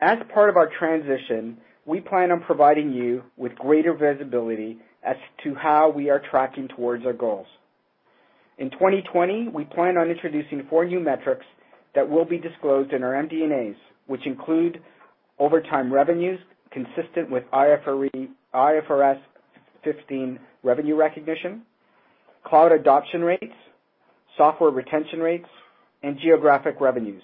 As part of our transition, we plan on providing you with greater visibility as to how we are tracking towards our goals. In 2020, we plan on introducing four new metrics that will be disclosed in our MD&A, which include overtime revenues consistent with IFRS 15 revenue recognition, cloud adoption rates, software retention rates, and geographic revenues.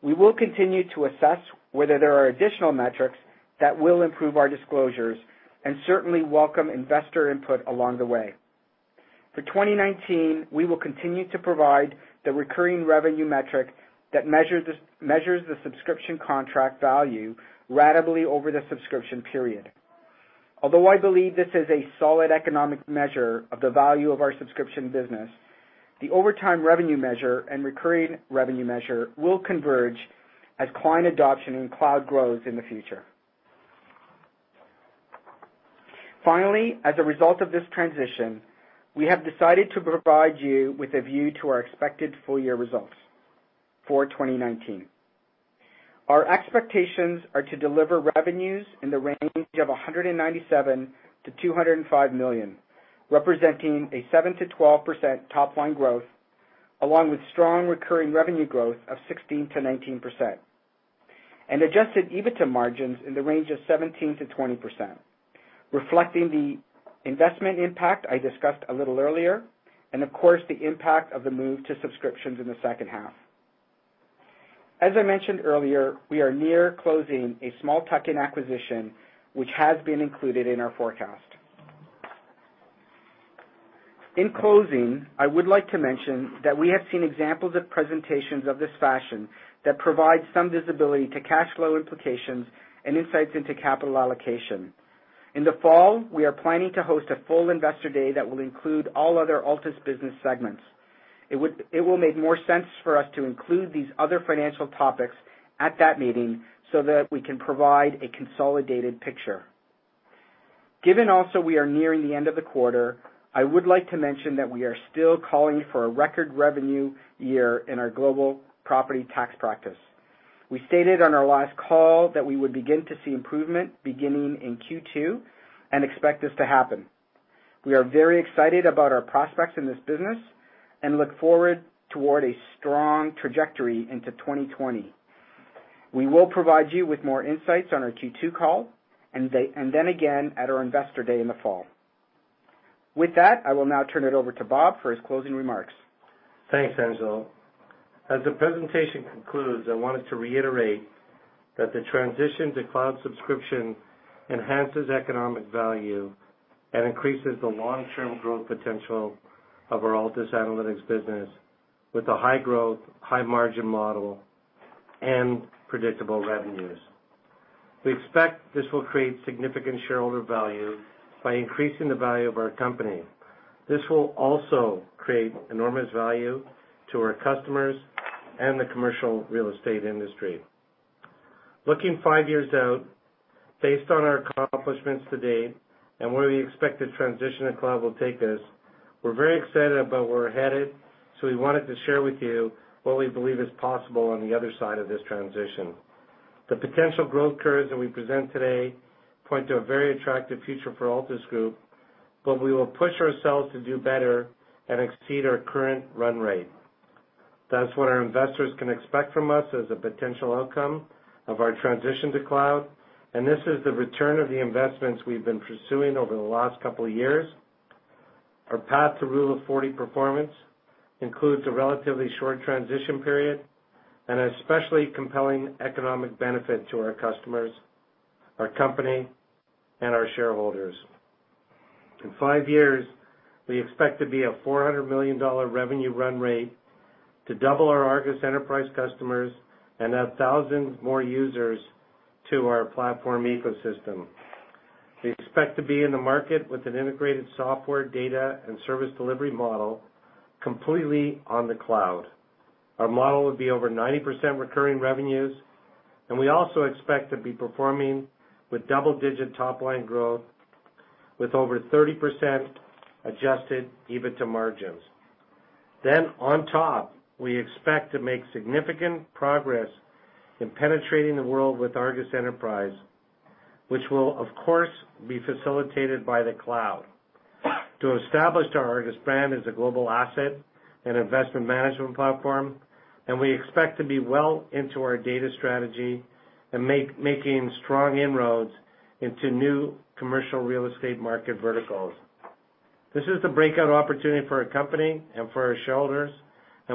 We will continue to assess whether there are additional metrics that will improve our disclosures and certainly welcome investor input along the way. For 2019, we will continue to provide the recurring revenue metric that measures the subscription contract value ratably over the subscription period. Although I believe this is a solid economic measure of the value of our subscription business, the overtime revenue measure and recurring revenue measure will converge as client adoption and cloud grows in the future. As a result of this transition, we have decided to provide you with a view to our expected full year results for 2019. Our expectations are to deliver revenues in the range of 197 million-205 million, representing a 7%-12% top-line growth along with strong recurring revenue growth of 16%-19%. adjusted EBITDA margins in the range of 17%-20%, reflecting the investment impact I discussed a little earlier and of course the impact of the move to subscriptions in the second half. As I mentioned earlier, we are near closing a small tuck-in acquisition which has been included in our forecast. In closing, I would like to mention that we have seen examples of presentations of this fashion that provide some visibility to cash flow implications and insights into capital allocation. In the fall, we are planning to host a full investor day that will include all other Altus business segments. It will make more sense for us to include these other financial topics at that meeting so that we can provide a consolidated picture. Given also we are nearing the end of the quarter, I would like to mention that we are still calling for a record revenue year in our global property tax practice. We stated on our last call that we would begin to see improvement beginning in Q2 and expect this to happen. We are very excited about our prospects in this business and look forward toward a strong trajectory into 2020. We will provide you with more insights on our Q2 call and then again at our investor day in the fall. With that, I will now turn it over to Bob for his closing remarks. Thanks, Angelo. As the presentation concludes, I wanted to reiterate that the transition to cloud subscription enhances economic value and increases the long-term growth potential of our Altus Analytics business with a high growth, high margin model and predictable revenues. We expect this will create significant shareholder value by increasing the value of our company. This will also create enormous value to our customers and the commercial real estate industry. Looking five years out, based on our accomplishments to date and where we expect the transition to cloud will take us, we're very excited about where we're headed, so we wanted to share with you what we believe is possible on the other side of this transition. The potential growth curves that we present today point to a very attractive future for Altus Group, but we will push ourselves to do better and exceed our current run rate. That's what our investors can expect from us as a potential outcome of our transition to cloud, and this is the return of the investments we've been pursuing over the last couple of years. Our path to Rule of 40 performance includes a relatively short transition period and an especially compelling economic benefit to our customers, our company, and our shareholders. In five years, we expect to be a 400 million dollar revenue run rate to double our ARGUS Enterprise customers and add thousands more users to our platform ecosystem. We expect to be in the market with an integrated software data and service delivery model completely on the cloud. Our model would be over 90% recurring revenues. We also expect to be performing with double-digit top line growth with over 30% adjusted EBITDA margins. On top, we expect to make significant progress in penetrating the world with ARGUS Enterprise, which will of course, be facilitated by the cloud. To establish the ARGUS brand as a global asset and investment management platform, we expect to be well into our data strategy and making strong inroads into new commercial real estate market verticals. This is the breakout opportunity for our company and for our shareholders,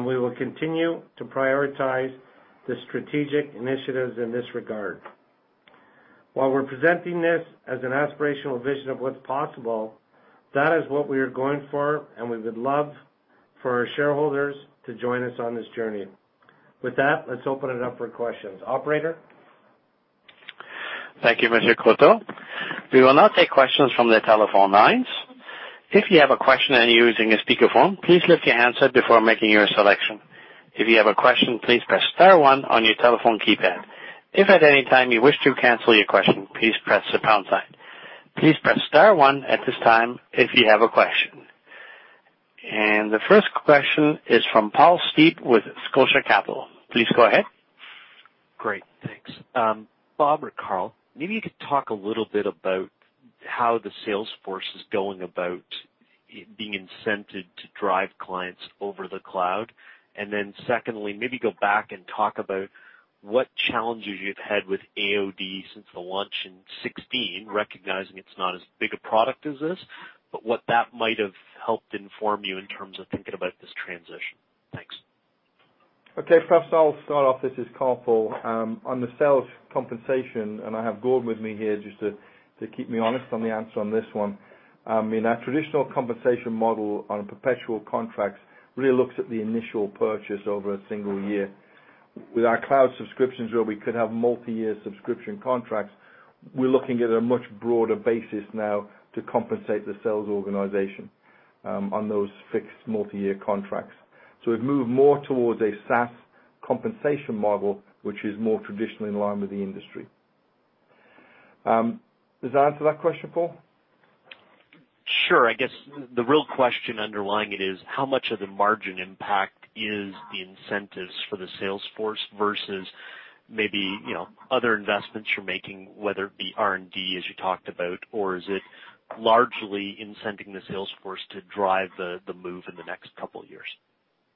we will continue to prioritize the strategic initiatives in this regard. While we're presenting this as an aspirational vision of what's possible, that is what we are going for, we would love for our shareholders to join us on this journey. With that, let's open it up for questions. Operator? Thank you, Monsieur Courteau. We will now take questions from the telephone lines. If you have a question and you're using a speakerphone, please lift your handset before making your selection. If you have a question, please press star one on your telephone keypad. If at any time you wish to cancel your question, please press the pound sign. Please press star one at this time if you have a question. The first question is from Paul Steep with Scotia Capital. Please go ahead. Great. Thanks. Bob or Carl, maybe you could talk a little bit about how the sales force is going about being incented to drive clients over the cloud. Secondly, maybe go back and talk about what challenges you've had with AOD since the launch in 2016, recognizing it's not as big a product as this, but what that might have helped inform you in terms of thinking about this transition. Thanks. Okay. Perhaps I'll start off. This is Carl, Paul. On the sales compensation, and I have Gordon with me here just to keep me honest on the answer on this one. I mean, our traditional compensation model on perpetual contracts really looks at the initial purchase over a one year. With our cloud subscriptions, where we could have multi-year subscription contracts, we're looking at a much broader basis now to compensate the sales organization on those fixed multi-year contracts. We've moved more towards a SaaS compensation model, which is more traditionally in line with the industry. Does that answer that question, Paul? Sure. I guess the real question underlying it is how much of the margin impact is the incentives for the sales force versus maybe, you know, other investments you're making, whether it be R&D, as you talked about, or is it largely incenting the sales force to drive the move in the next couple of years?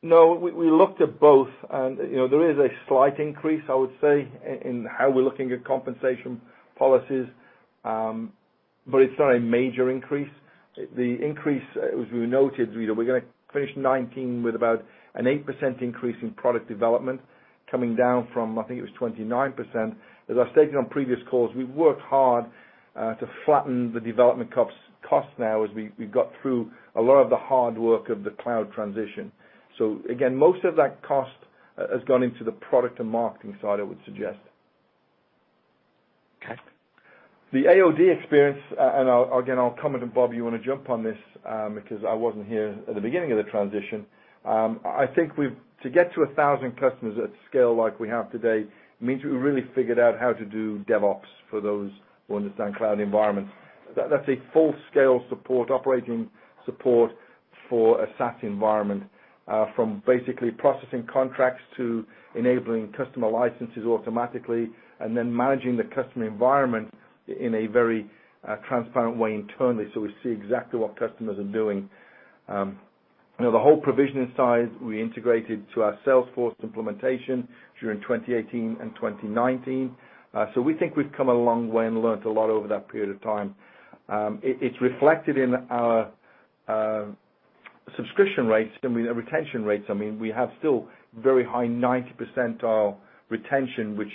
No, we looked at both and, you know, there is a slight increase, I would say, in how we're looking at compensation policies. It's not a major increase. The increase, as we noted, you know, we're gonna finish 2019 with about an 8% increase in product development coming down from, I think it was 29%. As I stated on previous calls, we've worked hard to flatten the development costs now as we got through a lot of the hard work of the cloud transition. Again, most of that cost has gone into the product and marketing side, I would suggest. Okay. The AOD experience, and I'll, again, I'll comment, and Bob, you wanna jump on this, because I wasn't here at the beginning of the transition. I think to get to 1,000 customers at scale like we have today means we really figured out how to do DevOps for those who understand cloud environments. That's a full-scale support, operating support for a SaaS environment, from basically processing contracts to enabling customer licenses automatically and then managing the customer environment in a very transparent way internally. We see exactly what customers are doing. You know, the whole provisioning side we integrated to our Salesforce implementation during 2018 and 2019. We think we've come a long way and learned a lot over that period of time. It's reflected in our subscription rates and the retention rates, I mean. We have still very high 90% retention, which,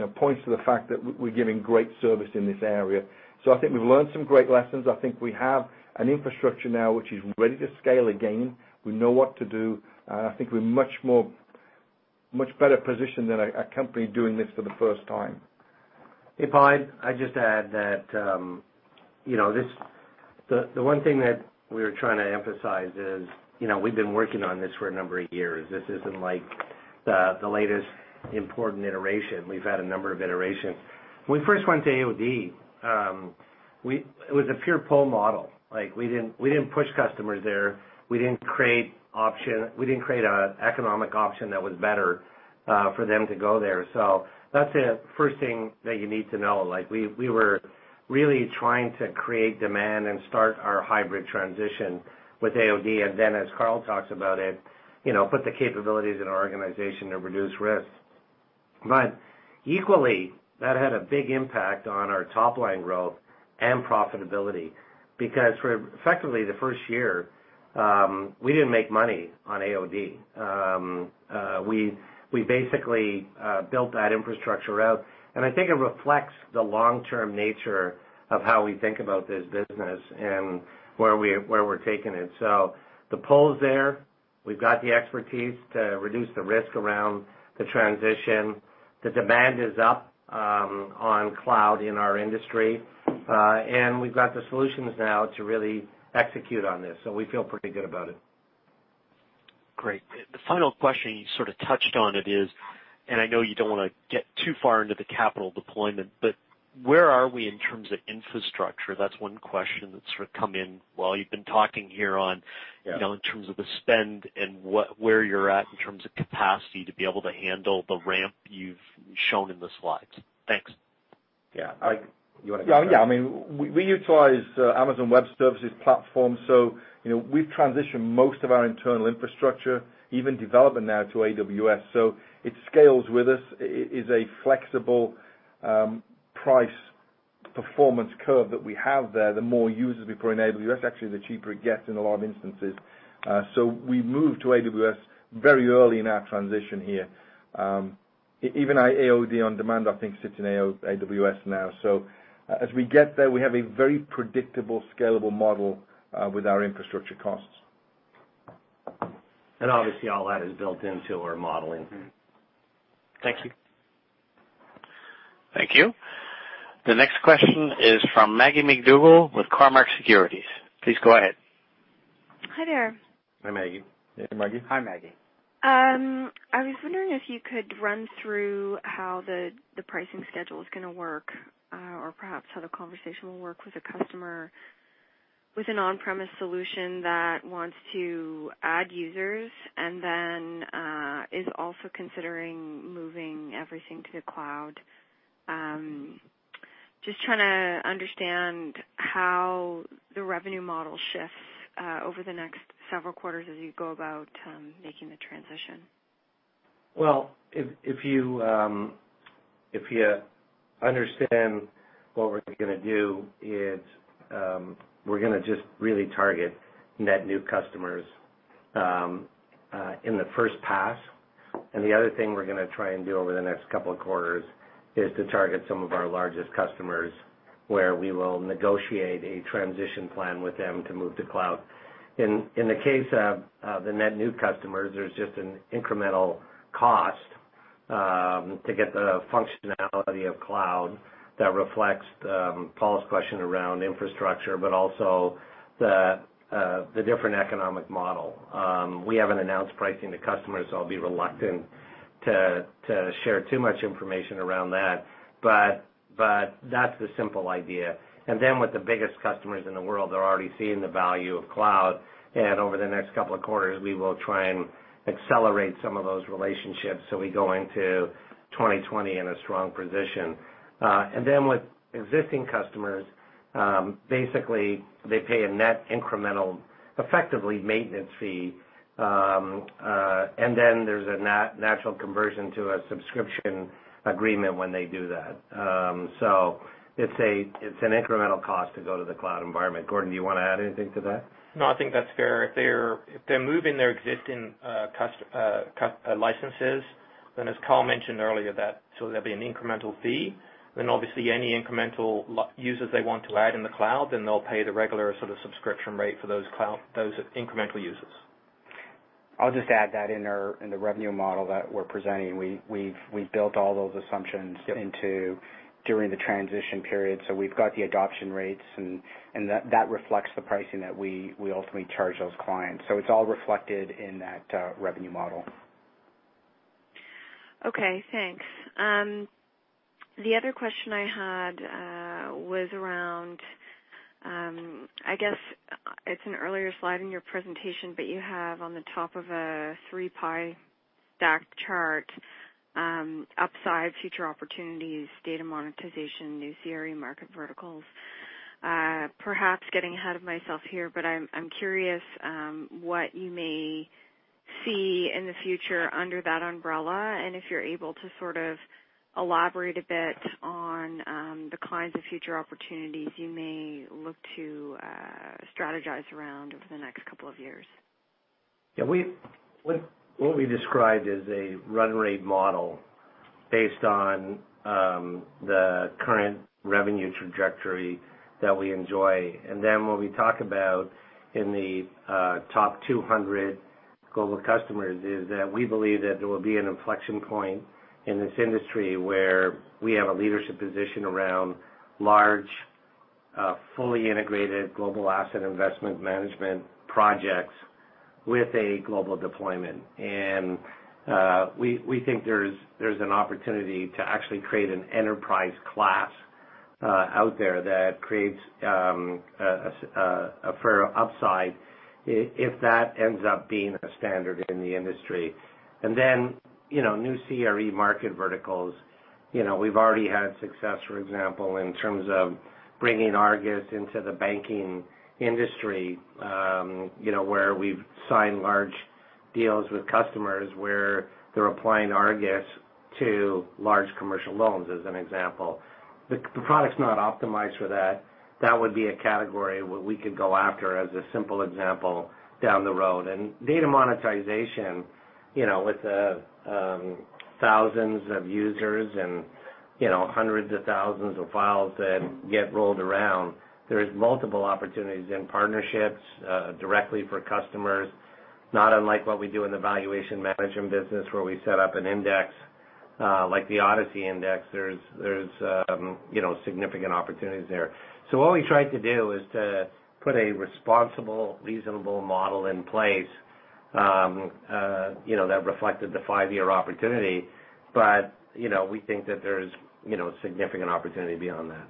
you know, points to the fact that we're giving great service in this area. I think we've learned some great lessons. I think we have an infrastructure now which is ready to scale again. We know what to do. I think we're much better positioned than a company doing this for the first time. I'd just add that, you know, the one thing that we're trying to emphasize is, you know, we've been working on this for a number of years. This isn't like the latest important iteration. We've had a number of iterations. When we first went to AOD, it was a pure pull model. Like, we didn't push customers there. We didn't create a economic option that was better for them to go there. That's the first thing that you need to know. Like, we were really trying to create demand and start our hybrid transition with AOD. As Carl talks about it, you know, put the capabilities in our organization to reduce risks. Equally, that had a big impact on our top line growth and profitability, because for effectively the first year, we didn't make money on AOD. We basically built that infrastructure out, and I think it reflects the long-term nature of how we think about this business and where we're taking it. The pull is there. We've got the expertise to reduce the risk around the transition. The demand is up on cloud in our industry. We've got the solutions now to really execute on this, so we feel pretty good about it. Great. The final question you sort of touched on it is, and I know you don't wanna get too far into the capital deployment, but where are we in terms of infrastructure? That's one question that's sort of come in while you've been talking here. Yeah. You know, in terms of the spend and where you're at in terms of capacity to be able to handle the ramp you've shown in the slides. Thanks. Yeah. You wanna go first? Yeah, yeah. I mean, we utilize Amazon Web Services platform, you know, we've transitioned most of our internal infrastructure, even development now to AWS. It scales with us. It is a flexible price performance curve that we have there. The more users we put on AWS, actually, the cheaper it gets in a lot of instances. We moved to AWS very early in our transition here. Even our AOD On Demand, I think, sits in AWS now. As we get there, we have a very predictable, scalable model with our infrastructure costs. Obviously, all that is built into our modeling. Thank you. Thank you. The next question is from Maggie MacDougall with Cormark Securities. Please go ahead. Hi there. Hi, Maggie. Hey, Maggie. Hi, Maggie. I was wondering if you could run through how the pricing schedule is gonna work, or perhaps how the conversation will work with a customer with an on-premise solution that wants to add users and then, is also considering moving everything to the cloud. Just trying to understand how the revenue model shifts over the next several quarters as you go about making the transition. Well, if you understand what we're gonna do, it's we're gonna just really target net new customers in the first pass. The other thing we're gonna try and do over the next couple of quarters is to target some of our largest customers where we will negotiate a transition plan with them to move to cloud. In the case of the net new customers, there's just an incremental cost to get the functionality of cloud that reflects Paul's question around infrastructure, but also the different economic model. We haven't announced pricing to customers, so I'll be reluctant to share too much information around that, but that's the simple idea. With the biggest customers in the world are already seeing the value of cloud, and over the next couple of quarters, we will try and accelerate some of those relationships, so we go into 2020 in a strong position. With existing customers, basically they pay a net incremental, effectively maintenance fee. There's a natural conversion to a subscription agreement when they do that. It's an incremental cost to go to the cloud environment. Gordon, do you wanna add anything to that? No, I think that's fair. If they're moving their existing licenses, then as Carl mentioned earlier, there'll be an incremental fee. Obviously any incremental users they want to add in the cloud, then they'll pay the regular sort of subscription rate for those incremental users. I'll just add that in the revenue model that we're presenting, we've built all those assumptions. Yeah. Into during the transition period, so we've got the adoption rates and that reflects the pricing that we ultimately charge those clients. It's all reflected in that revenue model. Okay, thanks. The other question I had was around, I guess, it's an earlier slide in your presentation, but you have on the top of a three pie chart, upside future opportunities, data monetization, new CRE market verticals. Perhaps getting ahead of myself here, but I'm curious what you may see in the future under that umbrella, and if you're able to sort of elaborate a bit on the kinds of future opportunities you may look to strategize around over the next couple of years. What we described is a run rate model based on the current revenue trajectory that we enjoy. What we talk about in the top 200 global customers is that we believe that there will be an inflection point in this industry where we have a leadership position around large, fully integrated global asset investment management projects with a global deployment. We think there's an opportunity to actually create an enterprise class out there that creates a fair upside if that ends up being a standard in the industry. You know, new CRE market verticals. You know, we've already had success, for example, in terms of bringing ARGUS into the banking industry, you know, where we've signed large deals with customers, where they're applying ARGUS to large commercial loans, as an example. The product's not optimized for that. That would be a category where we could go after as a simple example down the road. Data monetization, you know, with thousands of users and, you know, hundreds of thousands of files that get rolled around, there's multiple opportunities in partnerships, directly for customers, not unlike what we do in the valuation management business, where we set up an index, like the NFI-ODCE Index. There's, you know, significant opportunities there. What we tried to do is to put a responsible, reasonable model in place, you know, that reflected the five-year opportunity. You know, we think that there's, you know, significant opportunity beyond that.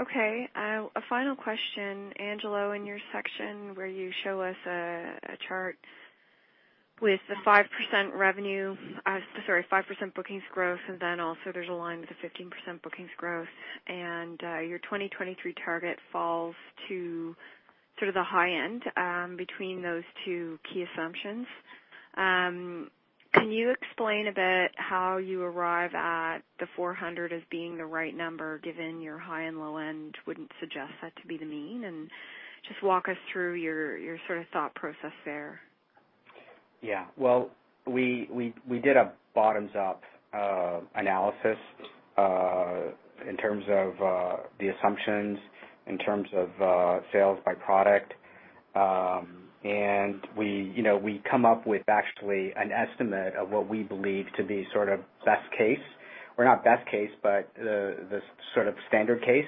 Okay. A final question. Angelo, in your section where you show us a chart with the 5% revenue, sorry, 5% bookings growth, and then also there's a line with the 15% bookings growth. Your 2023 target falls to sort of the high end between those two key assumptions. Can you explain a bit how you arrive at the 400 as being the right number, given your high and low end wouldn't suggest that to be the mean? Just walk us through your sort of thought process there. Well, we did a bottoms-up analysis in terms of the assumptions, in terms of sales by product. We, you know, we come up with actually an estimate of what we believe to be sort of best case or not best case, but the sort of standard case.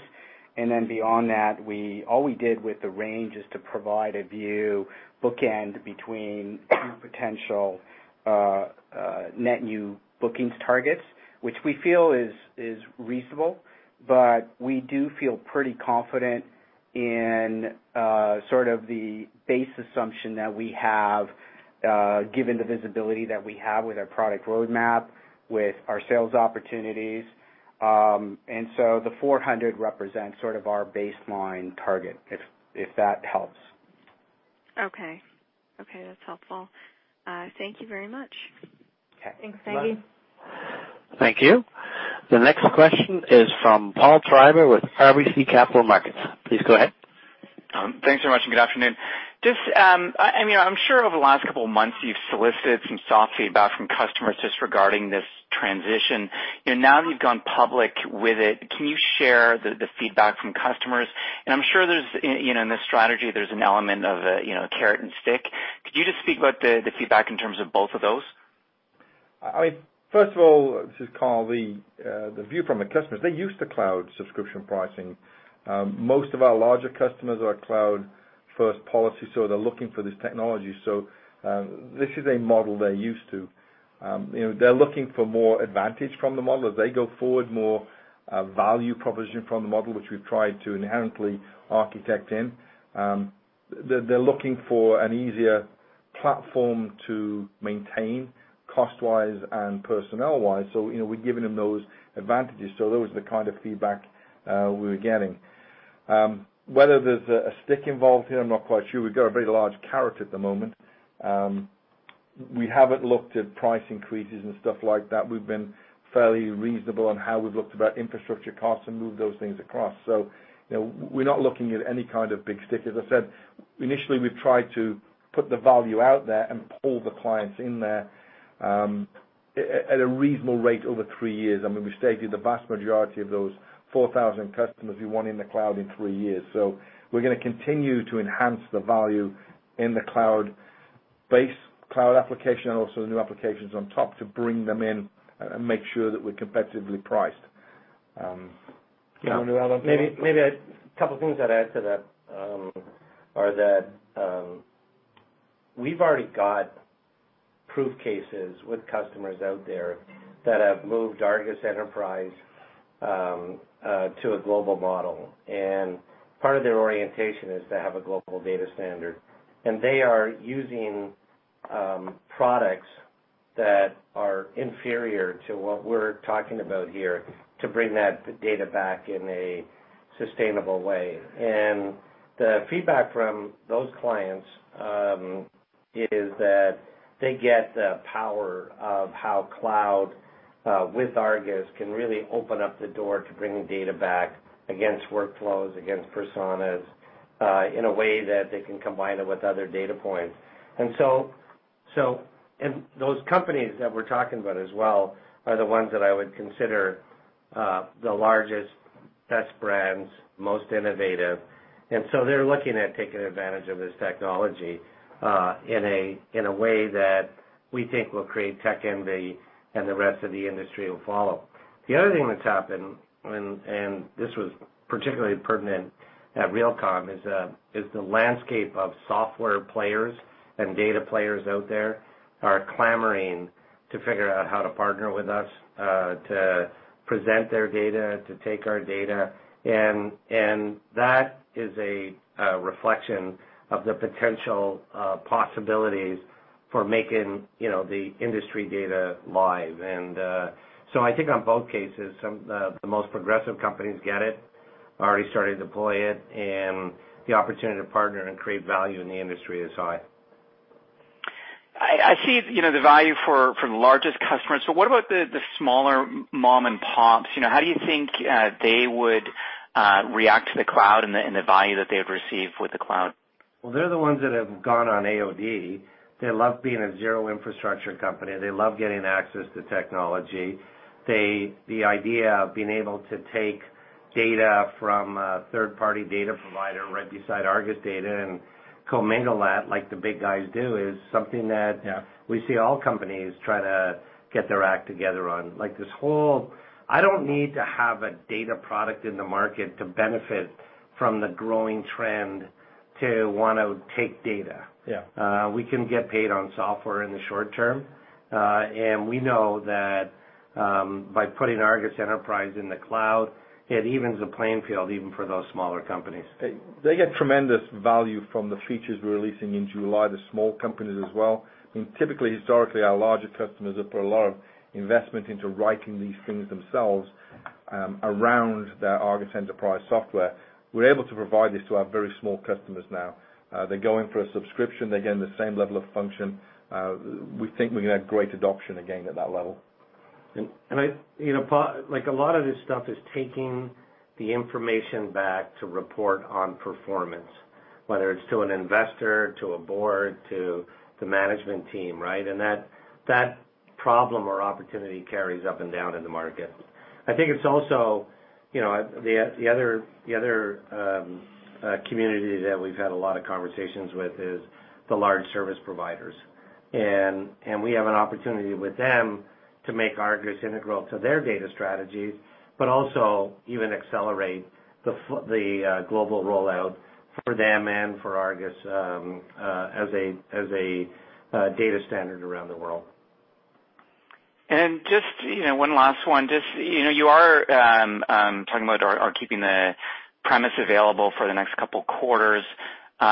Beyond that, all we did with the range is to provide a view bookend between two potential net new bookings targets, which we feel is reasonable. We do feel pretty confident in sort of the base assumption that we have given the visibility that we have with our product roadmap, with our sales opportunities. The 400 represents sort of our baseline target, if that helps. Okay. Okay, that's helpful. Thank you very much. Okay. Thanks. You're welcome. Thank you. Thank you. The next question is from Paul Treiber with RBC Capital Markets. Please go ahead. Thanks so much, good afternoon. Just, I mean, I'm sure over the last couple of months, you've solicited some soft feedback from customers just regarding this transition. You know, now that you've gone public with it, can you share the feedback from customers? I'm sure there's, you know, in this strategy, there's an element of, you know, carrot and stick. Could you just speak about the feedback in terms of both of those? I, first of all, this is Carl, the view from the customers, they're used to cloud subscription pricing. Most of our larger customers are cloud-first policy, they're looking for this technology. This is a model they're used to. You know, they're looking for more advantage from the model as they go forward, more value proposition from the model, which we've tried to inherently architect in. They're looking for an easier platform to maintain cost-wise and personnel-wise, you know, we're giving them those advantages. Those are the kind of feedback we were getting. Whether there's a stick involved here, I'm not quite sure. We've got a very large carrot at the moment. We haven't looked at price increases and stuff like that. We've been fairly reasonable on how we've looked about infrastructure costs and move those things across. You know, we're not looking at any kind of big stick. As I said, initially, we've tried to put the value out there and pull the clients in there at a reasonable rate over three years. I mean, we've stated the vast majority of those 4,000 customers we want in the cloud in three years. We're gonna continue to enhance the value in the cloud base, cloud application and also the new applications on top to bring them in and make sure that we're competitively priced. You know, maybe a couple of things I'd add to that are that we've already got proof cases with customers out there that have moved ARGUS Enterprise to a global model. Part of their orientation is to have a global data standard. They are using products that are inferior to what we're talking about here to bring that data back in a sustainable way. The feedback from those clients is that they get the power of how cloud with ARGUS can really open up the door to bringing data back against workflows, against personas, in a way that they can combine it with other data points. Those companies that we're talking about as well are the ones that I would consider the largest, best brands, most innovative. They're looking at taking advantage of this technology in a way that we think will create tech envy, and the rest of the industry will follow. The other thing that's happened, and this was particularly pertinent at Realcomm, is the landscape of software players and data players out there are clamoring to figure out how to partner with us to present their data, to take our data. That is a reflection of the potential possibilities for making, you know, the industry data live. So I think on both cases, some the most progressive companies get it, already started to deploy it, and the opportunity to partner and create value in the industry is high. I see, you know, the value for the largest customers. What about the smaller mom and pops? You know, how do you think they would react to the cloud and the value that they would receive with the cloud? They're the ones that have gone on AOD. They love being a zero infrastructure company. They love getting access to technology. The idea of being able to take data from a third-party data provider right beside ARGUS data and commingle that like the big guys do is something that. Yeah. We see all companies try to get their act together on. Like, this whole, I don't need to have a data product in the market to benefit from the growing trend to wanna take data. Yeah. We can get paid on software in the short term. We know that, by putting ARGUS Enterprise in the cloud, it evens the playing field even for those smaller companies. They get tremendous value from the features we're releasing in July, the small companies as well. I mean, typically, historically, our larger customers have put a lot of investment into writing these things themselves, around their ARGUS Enterprise software. We're able to provide this to our very small customers now. They go in for a subscription, they're getting the same level of function. We think we're gonna have great adoption again at that level. I, you know, like, a lot of this stuff is taking the information back to report on performance, whether it's to an investor, to a board, to the management team, right? That problem or opportunity carries up and down in the market. I think it's also, you know, the other community that we've had a lot of conversations with is the large service providers. We have an opportunity with them to make ARGUS integral to their data strategies, but also even accelerate the global rollout for them and for ARGUS as a data standard around the world. Just, you know, one last one. Just, you know, you are talking about keeping the premise available for the next couple quarters. You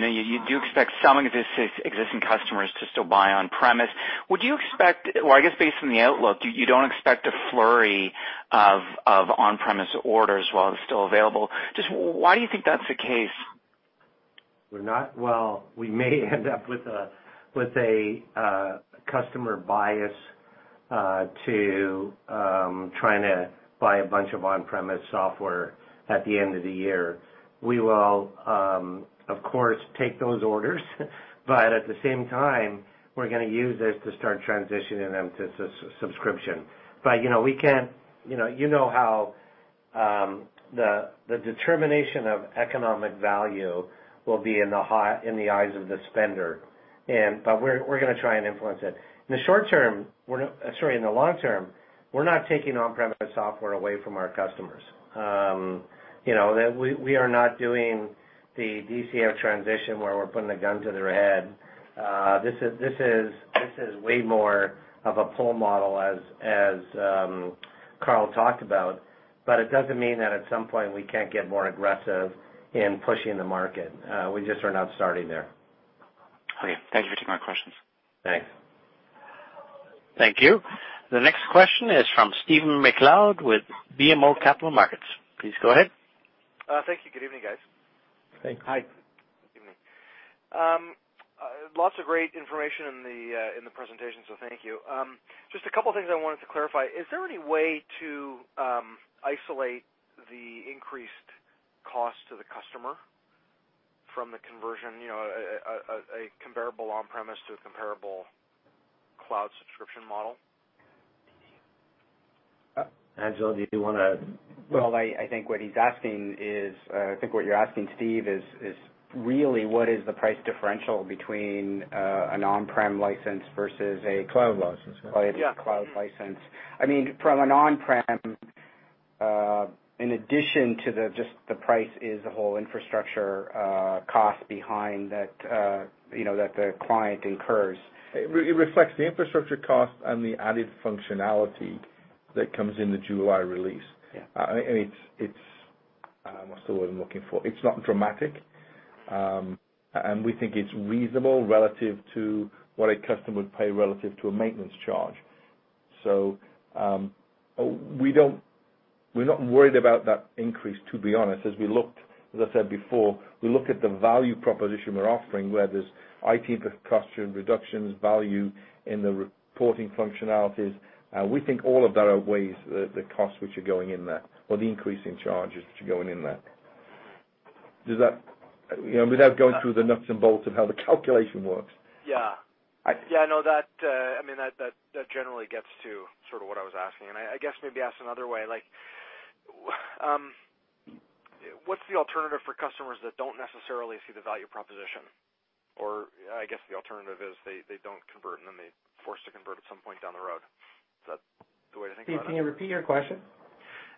know, you do expect some of this existing customers to still buy on-premise. Would you expect, I guess based on the outlook, you don't expect a flurry of on-premise orders while it's still available? Just why do you think that's the case? We're not, we may end up with a customer bias to trying to buy a bunch of on-premise software at the end of the year. We will, of course, take those orders. At the same time, we're going to use this to start transitioning them to subscription. You know, we can't, you know how the determination of economic value will be in the eyes of the spender. We're going to try and influence it. In the short term, we're not Sorry, in the long term, we're not taking on-premise software away from our customers. You know, that we are not doing the DCF transition where we're putting a gun to their head. This is way more of a pull model as Carl talked about. It doesn't mean that at some point we can't get more aggressive in pushing the market. We just are not starting there. Okay. Thank you for taking my questions. Thanks. Thank you. The next question is from Stephen MacLeod with BMO Capital Markets. Please go ahead. Thank you. Good evening, guys. Thanks. Hi. Good evening. Lots of great information in the in the presentation, so thank you. Just a couple things I wanted to clarify. Is there any way to isolate the increased cost to the customer from the conversion, you know, a comparable on-premise to a comparable cloud subscription model? Angelo, do you? Well, I think what he's asking is, I think what you're asking, Steve, is really what is the price differential between a on-prem license versus a cloud license. Yeah cloud license. I mean, from an on-prem, in addition to the, just the price is the whole infrastructure, cost behind that, you know, that the client incurs. It reflects the infrastructure cost and the added functionality that comes in the July release. Yeah. I'm not sure what I'm looking for. It's not dramatic. We think it's reasonable relative to what a customer would pay relative to a maintenance charge. We're not worried about that increase, to be honest, as we looked as I said before, we look at the value proposition we're offering, where there's IT cost reductions, value in the reporting functionalities. We think all of that outweighs the costs which are going in there or the increase in charges which are going in there. You know, without going through the nuts and bolts of how the calculation works. Yeah. Yeah, no, that, I mean, that generally gets to sort of what I was asking. I guess maybe ask another way, like, what's the alternative for customers that don't necessarily see the value proposition? I guess the alternative is they don't convert, and then they're forced to convert at some point down the road. Is that the way to think about it? Steve, can you repeat your question?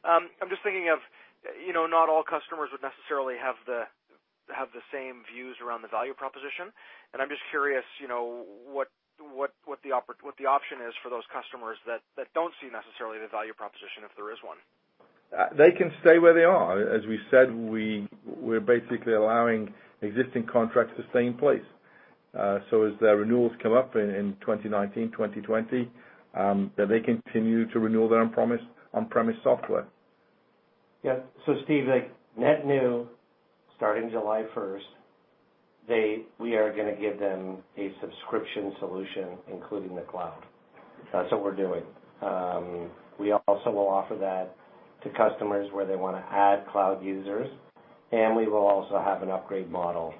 I'm just thinking of, you know, not all customers would necessarily have the same views around the value proposition. I'm just curious, you know, what the option is for those customers that don't see necessarily the value proposition, if there is one. They can stay where they are. As we said, we're basically allowing existing contracts to stay in place. As their renewals come up in 2019, 2020, that they continue to renew their on-premise software. Steve, like net new starting July first, we are gonna give them a subscription solution, including the cloud. That's what we're doing. We also will offer that to customers where they wanna add cloud users, and we will also have an upgrade model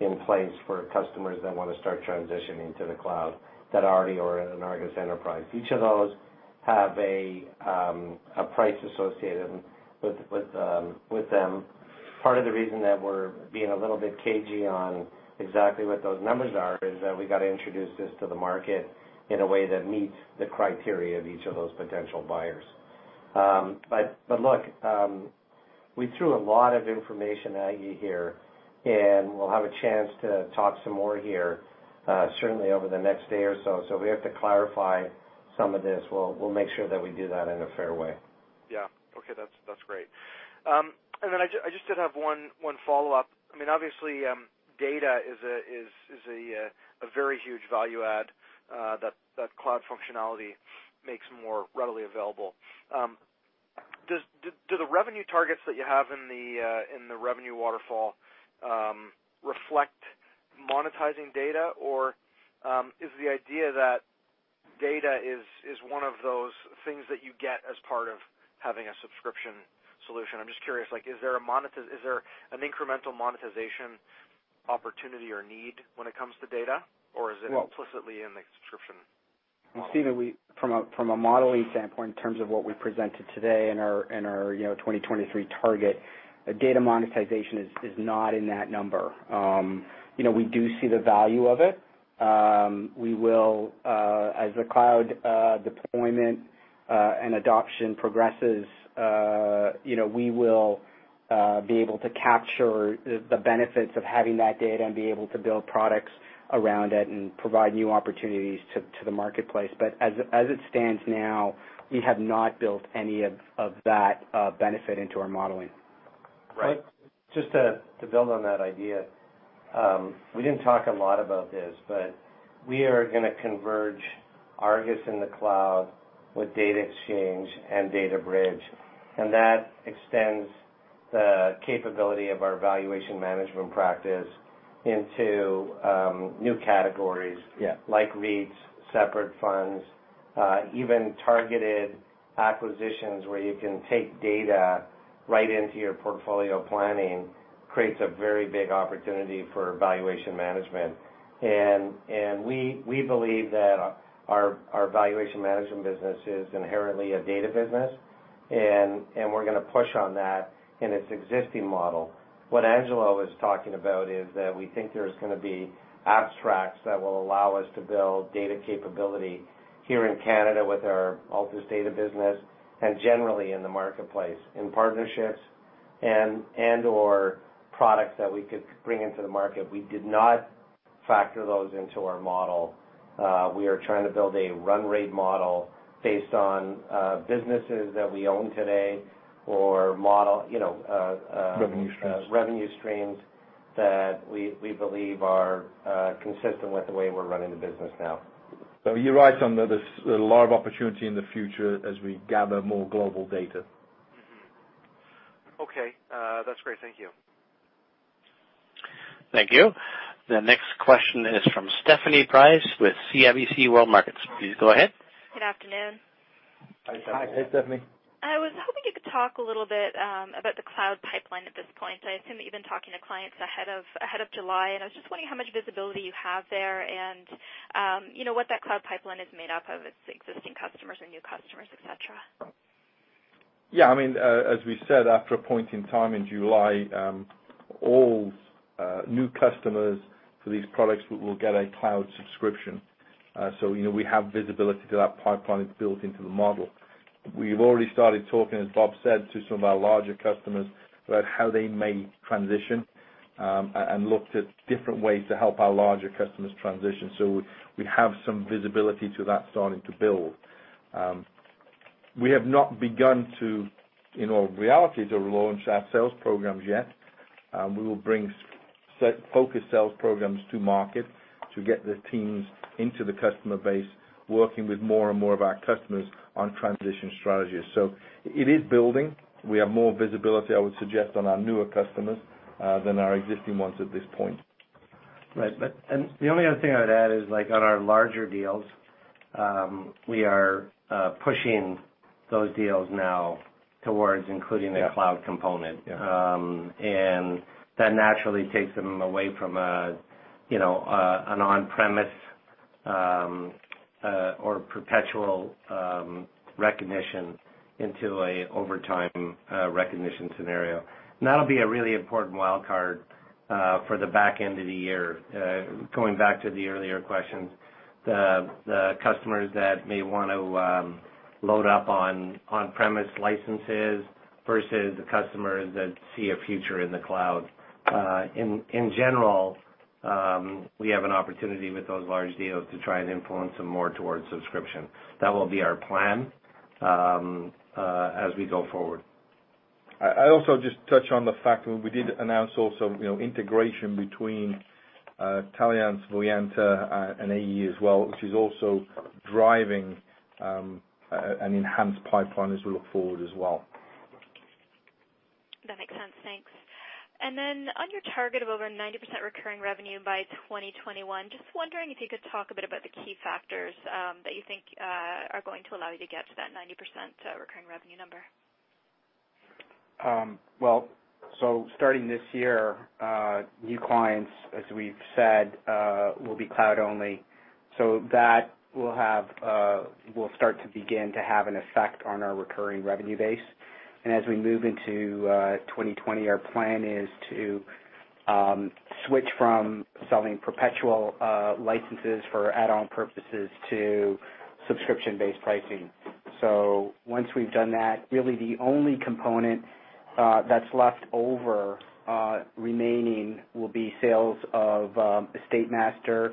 in place for customers that wanna start transitioning to the cloud that already are in an ARGUS Enterprise. Each of those have a price associated with them. Part of the reason that we're being a little bit cagey on exactly what those numbers are is that we gotta introduce this to the market in a way that meets the criteria of each of those potential buyers. Look, we threw a lot of information at you here, and we'll have a chance to talk some more here, certainly over the next day or so. If we have to clarify some of this, we'll make sure that we do that in a fair way. Yeah. Okay. That's, that's great. I just did have one follow-up. I mean, obviously, data is a very huge value add that cloud functionality makes more readily available. Do the revenue targets that you have in the revenue waterfall reflect monetizing data? Or is the idea that data is one of those things that you get as part of having a subscription solution? I'm just curious, like, is there an incremental monetization opportunity or need when it comes to data? Or is it implicitly in the subscription model? Well, Stephen, From a modeling standpoint, in terms of what we presented today in our, you know, 2023 target, data monetization is not in that number. You know, we do see the value of it. We will, as the cloud deployment and adoption progresses, you know, we will be able to capture the benefits of having that data and be able to build products around it and provide new opportunities to the marketplace. As it stands now, we have not built any of that benefit into our modeling. Right. Just to build on that idea, we didn't talk a lot about this, but we are gonna converge ARGUS in the cloud with Data Exchange and DataBridge, and that extends the capability of our valuation management practice into new categories. Yeah. Like REITs, separate funds, even targeted acquisitions where you can take data right into your portfolio planning creates a very big opportunity for valuation management. We believe that our valuation management business is inherently a data business, and we're gonna push on that in its existing model. What Angelo is talking about is that we think there's gonna be abstracts that will allow us to build data capability here in Canada with our Altus data business and generally in the marketplace, in partnerships and/or products that we could bring into the market. We did not factor those into our model. We are trying to build a run rate model based on businesses that we own today or model, you know. Revenue streams. Revenue streams that we believe are consistent with the way we're running the business now. You're right on that there's a lot of opportunity in the future as we gather more global data. Mm-hmm. Okay. That's great. Thank you. Thank you. The next question is from Stephanie Price with CIBC World Markets. Please go ahead. Good afternoon. Hi, Stephanie. Hey, Stephanie. I was hoping you could talk a little bit, about the cloud pipeline at this point. I assume you've been talking to clients ahead of July, and I was just wondering how much visibility you have there and, you know, what that cloud pipeline is made up of. It's existing customers or new customers, et cetera. Yeah. I mean, as we said, after a point in time in July, all new customers for these products will get a cloud subscription. You know, we have visibility to that pipeline. It's built into the model. We've already started talking, as Bob said, to some of our larger customers about how they may transition, and looked at different ways to help our larger customers transition. We have some visibility to that starting to build. We have not begun, in all reality, to launch our sales programs yet. We will bring focused sales programs to market to get the teams into the customer base, working with more and more of our customers on transition strategies. It is building. We have more visibility, I would suggest, on our newer customers than our existing ones at this point. Right. The only other thing I'd add is, like, on our larger deals, we are pushing those deals now towards including. Yeah. The cloud component. Yeah. That naturally takes them away from a, you know, an on-premise, or perpetual, recognition into a over time, recognition scenario. That'll be a really important wildcard for the back end of the year. Going back to the earlier questions, the customers that may want to load up on on-premise licenses versus the customers that see a future in the cloud. In general, we have an opportunity with those large deals to try and influence them more towards subscription. That will be our plan as we go forward. I also just touch on the fact that we did announce also, you know, integration between Taliance Voyanta and AE as well, which is also driving an enhanced pipeline as we look forward as well. That makes sense. Thanks. On your target of over 90% recurring revenue by 2021, just wondering if you could talk a bit about the key factors that you think are going to allow you to get to that 90% recurring revenue number? Starting this year, new clients, as we've said, will be cloud only. That will start to begin to have an effect on our recurring revenue base. As we move into 2020, our plan is to switch from selling perpetual licenses for add-on purposes to subscription-based pricing. Once we've done that, really the only component that's left over remaining will be sales of EstateMaster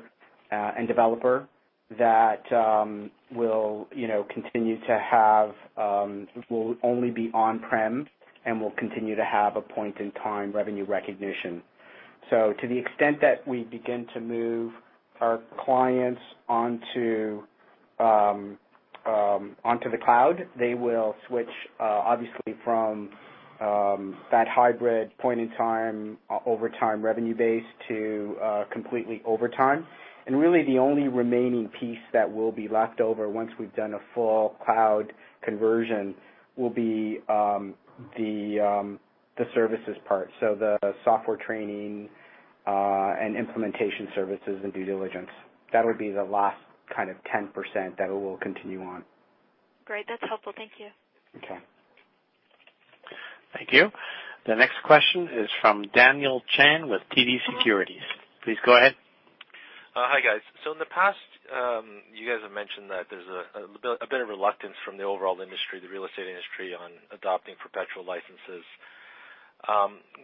and Developer that, you know, continue to have will only be on-prem and will continue to have a point-in-time revenue recognition. To the extent that we begin to move our clients onto the cloud, they will switch obviously from that hybrid point-in-time, over time revenue base to completely over time. Really, the only remaining piece that will be left over once we've done a full cloud conversion will be the services part. The software training, and implementation services and due diligence. That would be the last kind of 10% that it will continue on. Great. That's helpful. Thank you. Okay. Thank you. The next question is from Daniel Chan with TD Securities. Please go ahead. Hi, guys. In the past, you guys have mentioned that there's a bit of reluctance from the overall industry, the real estate industry, on adopting perpetual licenses.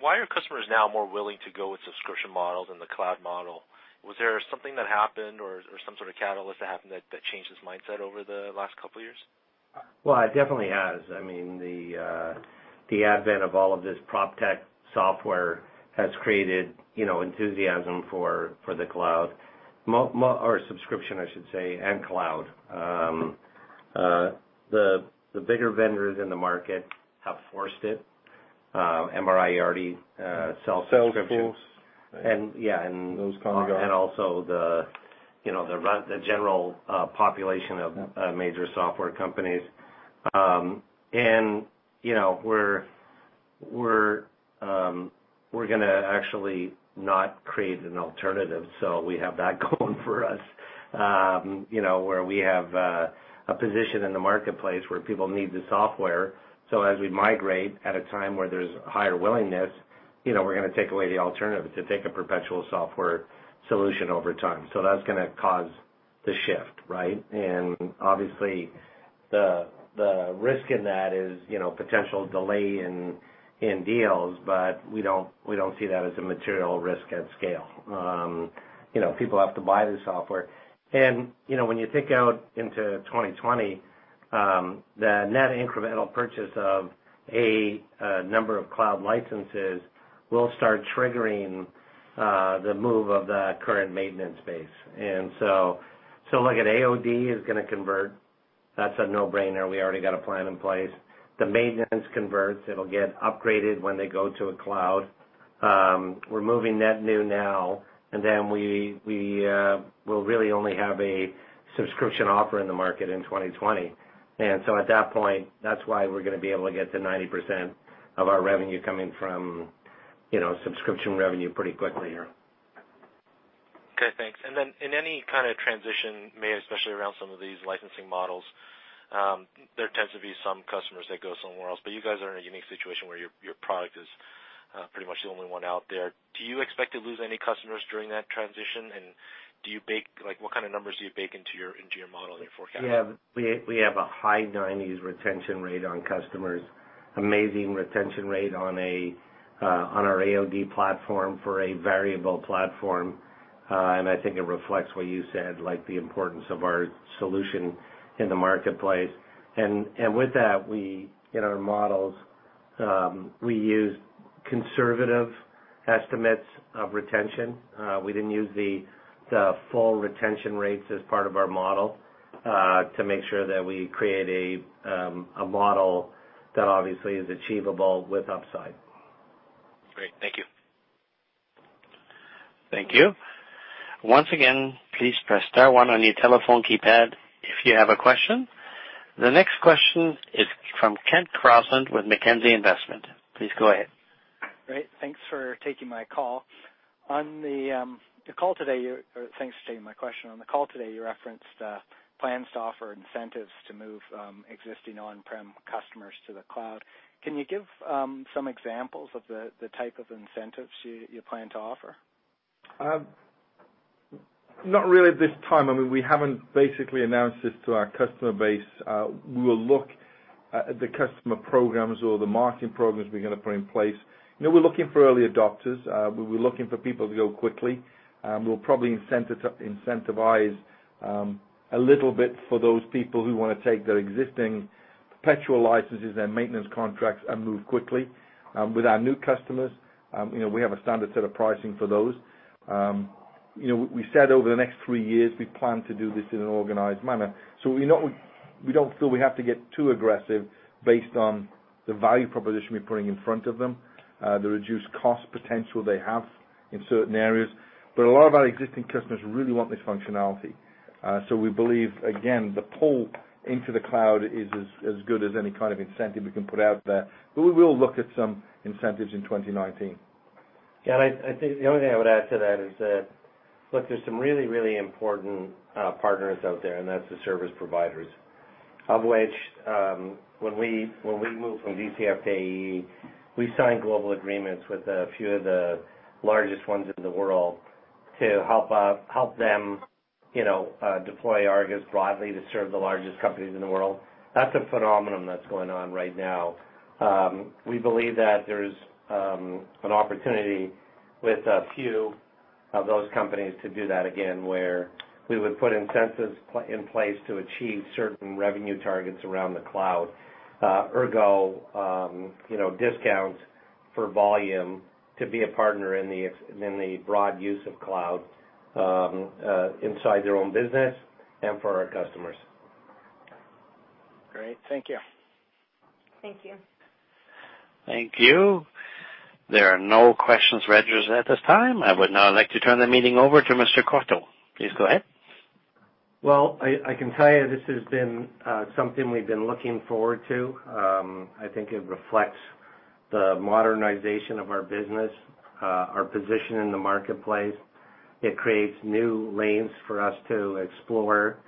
Why are customers now more willing to go with subscription models and the cloud model? Was there something that happened or some sort of catalyst that changed this mindset over the last couple years? Well, it definitely has. I mean, the advent of all of this PropTech software has created, you know, enthusiasm for the cloud, subscription, I should say, and cloud. The bigger vendors in the market have forced it. MRI already sell subscriptions. Sales tools. Yeah. Those kind of guys. And also the, you know, the general population of major software companies. You know, we're gonna actually not create an alternative, so we have that going for us. You know, where we have a position in the marketplace where people need the software. As we migrate at a time where there's higher willingness, you know, we're gonna take away the alternative to take a perpetual software solution over time. That's gonna cause the shift, right? Obviously, the risk in that is, you know, potential delay in deals, but we don't see that as a material risk at scale. You know, people have to buy the software. You know, when you think out into 2020, the net incremental purchase of a number of cloud licenses will start triggering the move of the current maintenance base. Look at AOD is gonna convert. That's a no-brainer. We already got a plan in place. The maintenance converts, it'll get upgraded when they go to a cloud. We're moving net new now, and then we will really only have a subscription offer in the market in 2020. At that point, that's why we're gonna be able to get to 90% of our revenue coming from, you know, subscription revenue pretty quickly here. Okay, thanks. Then in any kinda transition made, especially around some of these licensing models, there tends to be some customers that go somewhere else. You guys are in a unique situation where your product is pretty much the only one out there. Do you expect to lose any customers during that transition? Like, what kind of numbers do you bake into your model and your forecast? We have a high 90s retention rate on customers. Amazing retention rate on our AOD platform for a variable platform. I think it reflects what you said, like the importance of our solution in the marketplace. With that, we in our models use conservative estimates of retention. We didn't use the full retention rates as part of our model to make sure that we create a model that obviously is achievable with upside. Great. Thank you. Thank you. Once again, please press star one on your telephone keypad if you have a question. The next question is from Kent Crosland with Mackenzie Investments. Please go ahead. Great. Thanks for taking my question. On the call today, you referenced plans to offer incentives to move existing on-prem customers to the cloud. Can you give some examples of the type of incentives you plan to offer? Not really at this time. I mean, we haven't basically announced this to our customer base. We will look at the customer programs or the marketing programs we're gonna put in place. You know, we're looking for early adopters. We'll be looking for people to go quickly. We'll probably incentivize a little bit for those people who wanna take their existing perpetual licenses and maintenance contracts and move quickly. With our new customers, you know, we have a standard set of pricing for those. You know, we said over the next three years, we plan to do this in an organized manner. We don't feel we have to get too aggressive based on the value proposition we're putting in front of them, the reduced cost potential they have in certain areas. A lot of our existing customers really want this functionality. We believe, again, the pull into the cloud is as good as any kind of incentive we can put out there. We will look at some incentives in 2019. Yeah. I think the only thing I would add to that is that, look, there's some really, really important partners out there, and that's the service providers. Of which, when we moved from DCF to AE, we signed global agreements with a few of the largest ones in the world to help them, you know, deploy ARGUS broadly to serve the largest companies in the world. That's a phenomenon that's going on right now. We believe that there's an opportunity with a few of those companies to do that again, where we would put incentives in place to achieve certain revenue targets around the Cloud. Ergo, you know, discounts for volume to be a partner in the broad use of Cloud inside their own business and for our customers. Great. Thank you. Thank you. Thank you. There are no questions registered at this time. I would now like to turn the meeting over to Mr. Courteau. Please go ahead. Well, I can tell you this has been something we've been looking forward to. I think it reflects the modernization of our business, our position in the marketplace. It creates new lanes for us to explore,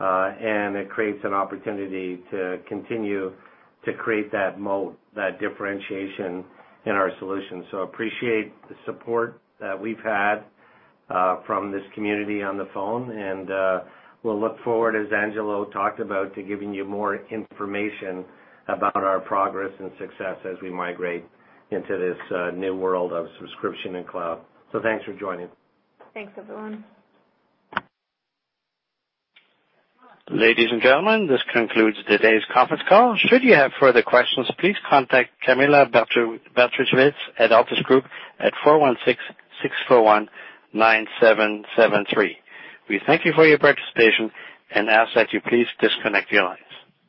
and it creates an opportunity to continue to create that moat, that differentiation in our solution. Appreciate the support that we've had from this community on the phone, and we'll look forward, as Angelo talked about, to giving you more information about our progress and success as we migrate into this new world of subscription and cloud. Thanks for joining. Thanks, everyone. Ladies and gentlemen, this concludes today's conference call. Should you have further questions, please contact Camilla Bartosiewicz at Altus Group at 416-641-9773. We thank you for your participation and ask that you please disconnect your lines.